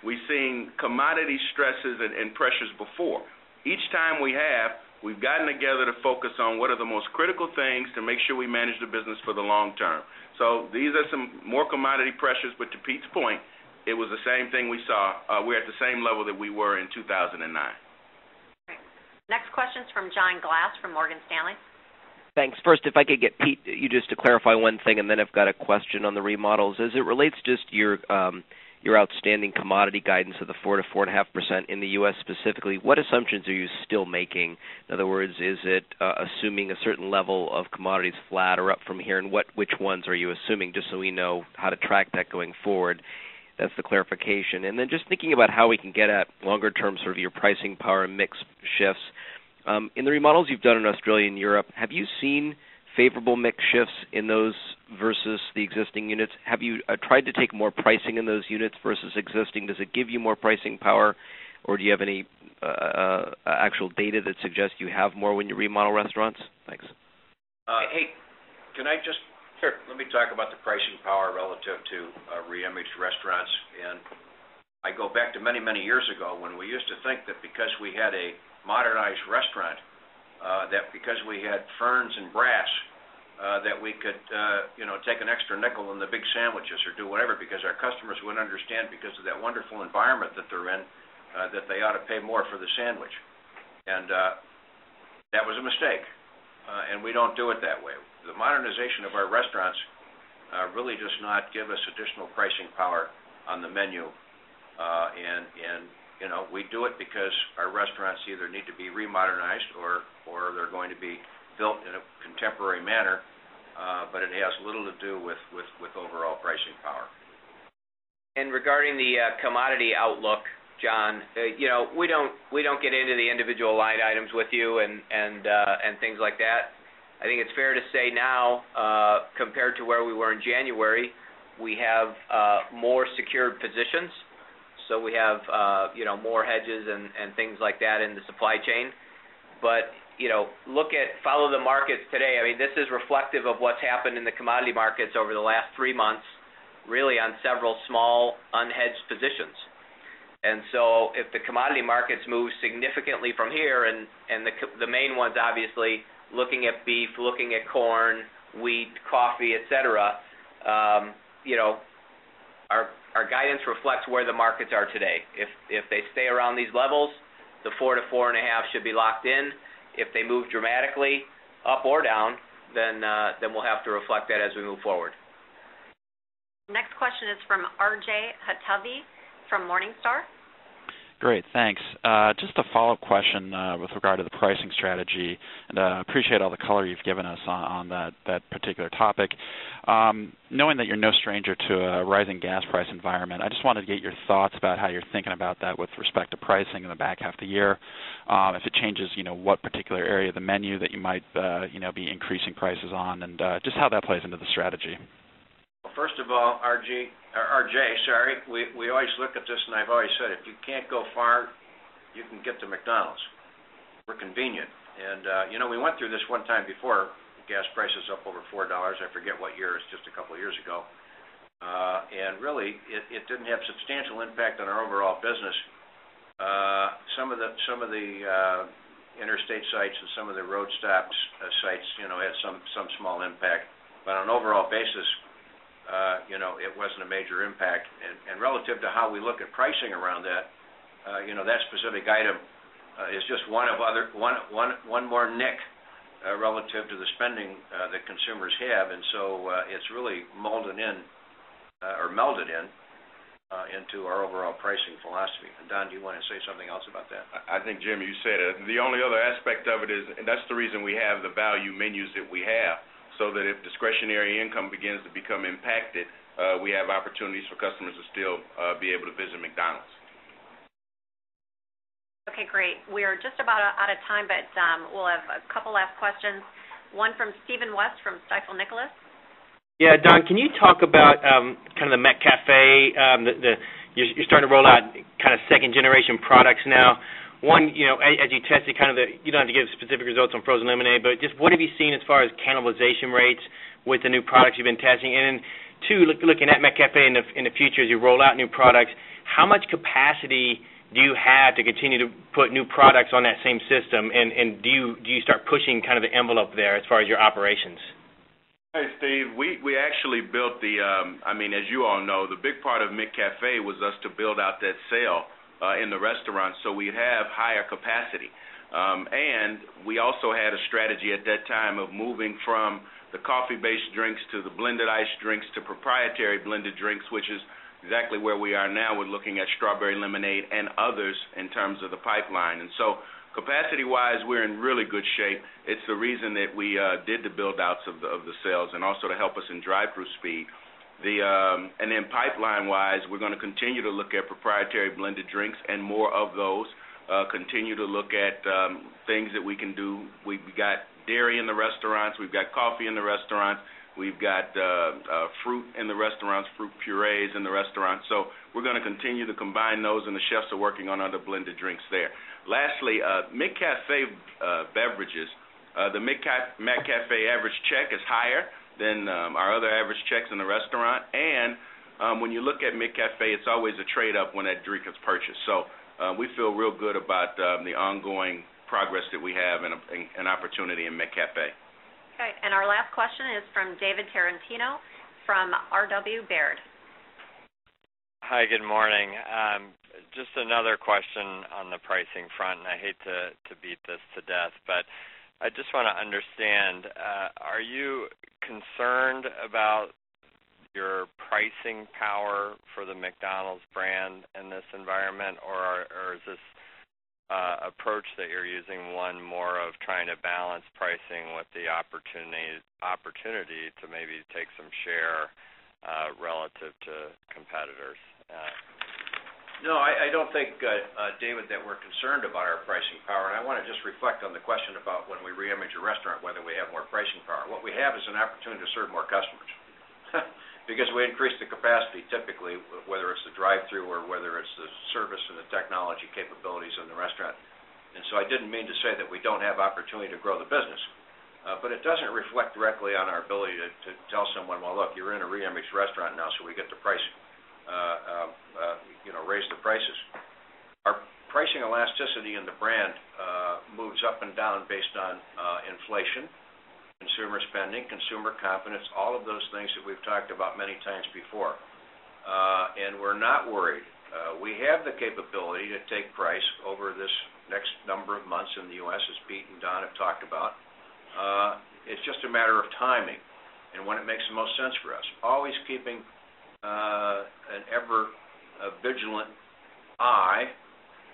we've seen commodity stresses and pressures before. Each time we have, we've gotten together to focus on what are the most critical things to make sure we manage the business for the long term. These are some more commodity pressures. To Pete's point, it was the same thing we saw. We're at the same level that we were in 2009. Next question is from John Glass from Morgan Stanley. Thanks. First, if I could get Pete, you just to clarify one thing, and then I've got a question on the remodels. As it relates just to your outstanding commodity guidance of the 4%-4.5% in the U.S. specifically, what assumptions are you still making? In other words, is it assuming a certain level of commodities flat or up from here? Which ones are you assuming, just so we know how to track that going forward? That's the clarification. Just thinking about how we can get at longer-term sort of your pricing power and mix shifts. In the remodels you've done in Australia and Europe, have you seen favorable mix shifts in those versus the existing units? Have you tried to take more pricing in those units versus existing? Does it give you more pricing power, or do you have any actual data that suggests you have more when you remodel restaurants? Thanks. Let me talk about the pricing power relative to reimaged restaurants. I go back to many years ago when we used to think that because we had a modernized restaurant, because we had ferns and brass, we could take an extra $0.05 in the big sandwiches or do whatever because our customers wouldn't understand, because of that wonderful environment that they're in, that they ought to pay more for the sandwich. That was a mistake. We don't do it that way. The modernization of our restaurants really does not give us additional pricing power on the menu. We do it because our restaurants either need to be remodeled or they're going to be built in a contemporary manner. It has little to do with overall pricing power. Regarding the commodity outlook, John, we don't get into the individual line items with you and things like that. I think it's fair to say now, compared to where we were in January, we have more secured positions. We have more hedges and things like that in the supply chain. If you look at the markets today, this is reflective of what's happened in the commodity markets over the last three months, really on several small unhedged positions. If the commodity markets move significantly from here, and the main ones, obviously, looking at beef, corn, wheat, coffee, etc., our guidance reflects where the markets are today. If they stay around these levels, the 4% to 4.5% should be locked in. If they move dramatically up or down, then we'll have to reflect that as we move forward. Next question is from RJ Hottovy from Morningstar. Great, thanks. Just a follow-up question with regard to the pricing strategy. I appreciate all the color you've given us on that particular topic. Knowing that you're no stranger to a rising gas price environment, I just wanted to get your thoughts about how you're thinking about that with respect to pricing in the back half of the year, if it changes what particular area of the menu that you might be increasing prices on, and just how that plays into the strategy. First of all, RJ, sorry, we always look at this, and I've always said, if you can't go far, you can get to McDonald's. We're convenient. We went through this one time before, the gas prices up over $4. I forget what year. It was just a couple of years ago. It didn't have a substantial impact on our overall business. Some of the interstate sites and some of the road stop sites had some small impact, but on an overall basis, it wasn't a major impact. Relative to how we look at pricing around that, that specific item is just one more nick relative to the spending that consumers have. It's really molded in or melded in into our overall pricing philosophy. Don, do you want to say something else about that? I think, Jim, you said it. The only other aspect of it is that's the reason we have the value menus that we have, so that if discretionary income begins to become impacted, we have opportunities for customers to still be able to visit McDonald's. OK, great. We are just about out of time, but we'll have a couple of last questions. One from Steven West from Stifel Nicolaus. Yeah, Don, can you talk about kind of the McCafé? You're starting to roll out kind of second-generation products now. One, as you tested kind of the, you don't have to give specific results on frozen lemonade, just what have you seen as far as cannibalization rates with the new products you've been testing? Two, looking at McCafé in the future as you roll out new products, how much capacity do you have to continue to put new products on that same system? Do you start pushing kind of the envelope there as far as your operations? Hey, Steve. We actually built the, I mean, as you all know, the big part of McCafé was us to build out that sale in the restaurant so we'd have higher capacity. We also had a strategy at that time of moving from the coffee-based drinks to the blended iced drinks to proprietary blended drinks, which is exactly where we are now. We're looking at strawberry lemonade and others in terms of the pipeline. Capacity-wise, we're in really good shape. It's the reason that we did the build-outs of the sales and also to help us in drive-through speed. Pipeline-wise, we're going to continue to look at proprietary blended drinks and more of those, continue to look at things that we can do. We've got dairy in the restaurants. We've got coffee in the restaurants. We've got fruit in the restaurants, fruit purees in the restaurants. We're going to continue to combine those, and the chefs are working on other blended drinks there. Lastly, McCafé beverages, the McCafé average check is higher than our other average checks in the restaurant. When you look at McCafé, it's always a trade-up when that drink is purchased. We feel real good about the ongoing progress that we have and opportunity in McCafé. OK. Our last question is from David Tarantino from R. W. Baird. Hi, good morning. Just another question on the pricing front. I hate to beat this to death, but I just want to understand, are you concerned about your pricing power for the McDonald's brand in this environment? Is this approach that you're using one more of trying to balance pricing with the opportunity to maybe take some share relative to competitors? No, I don't think, David, that we're concerned about our pricing power. I want to just reflect on the question about when we reimage a restaurant, whether we have more pricing power. What we have is an opportunity to serve more customers because we increase the capacity typically, whether it's the drive-through or whether it's the service and the technology capabilities in the restaurant. I didn't mean to say that we don't have the opportunity to grow the business. It doesn't reflect directly on our ability to tell someone, look, you're in a reimaged restaurant now, so we get to raise the prices. Our pricing elasticity in the brand moves up and down based on inflation, consumer spending, consumer confidence, all of those things that we've talked about many times before. We're not worried. We have the capability to take price over this next number of months in the U.S., as Pete and Don have talked about. It's just a matter of timing and when it makes the most sense for us, always keeping an ever-vigilant eye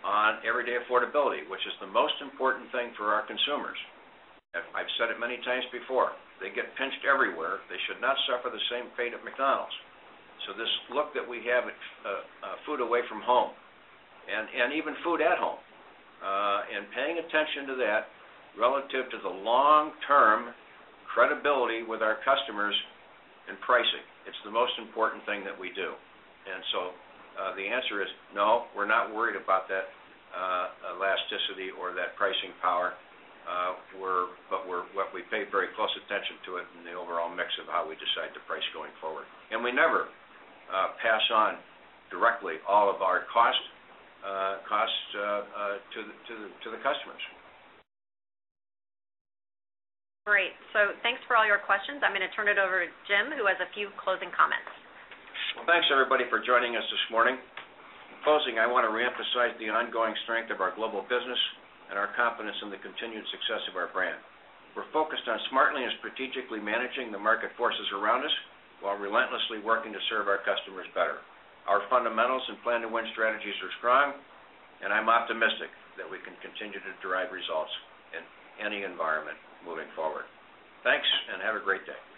on everyday affordability, which is the most important thing for our consumers. I've said it many times before. They get pinched everywhere. They should not suffer the same fate at McDonald's. This look that we have at food away from home and even food at home and paying attention to that relative to the long-term credibility with our customers and pricing, it's the most important thing that we do. The answer is no, we're not worried about that elasticity or that pricing power, but we pay very close attention to it in the overall mix of how we decide to price going forward. We never pass on directly all of our costs to the customers. Great. Thanks for all your questions. I'm going to turn it over to Jim, who has a few closing comments. Thank you, everybody, for joining us this morning. In closing, I want to reemphasize the ongoing strength of our global business and our confidence in the continued success of our brand. We are focused on smartly and strategically managing the market forces around us while relentlessly working to serve our customers better. Our fundamentals and plan-to-win strategies are strong, and I'm optimistic that we can continue to derive results in any environment moving forward. Thank you, and have a great day.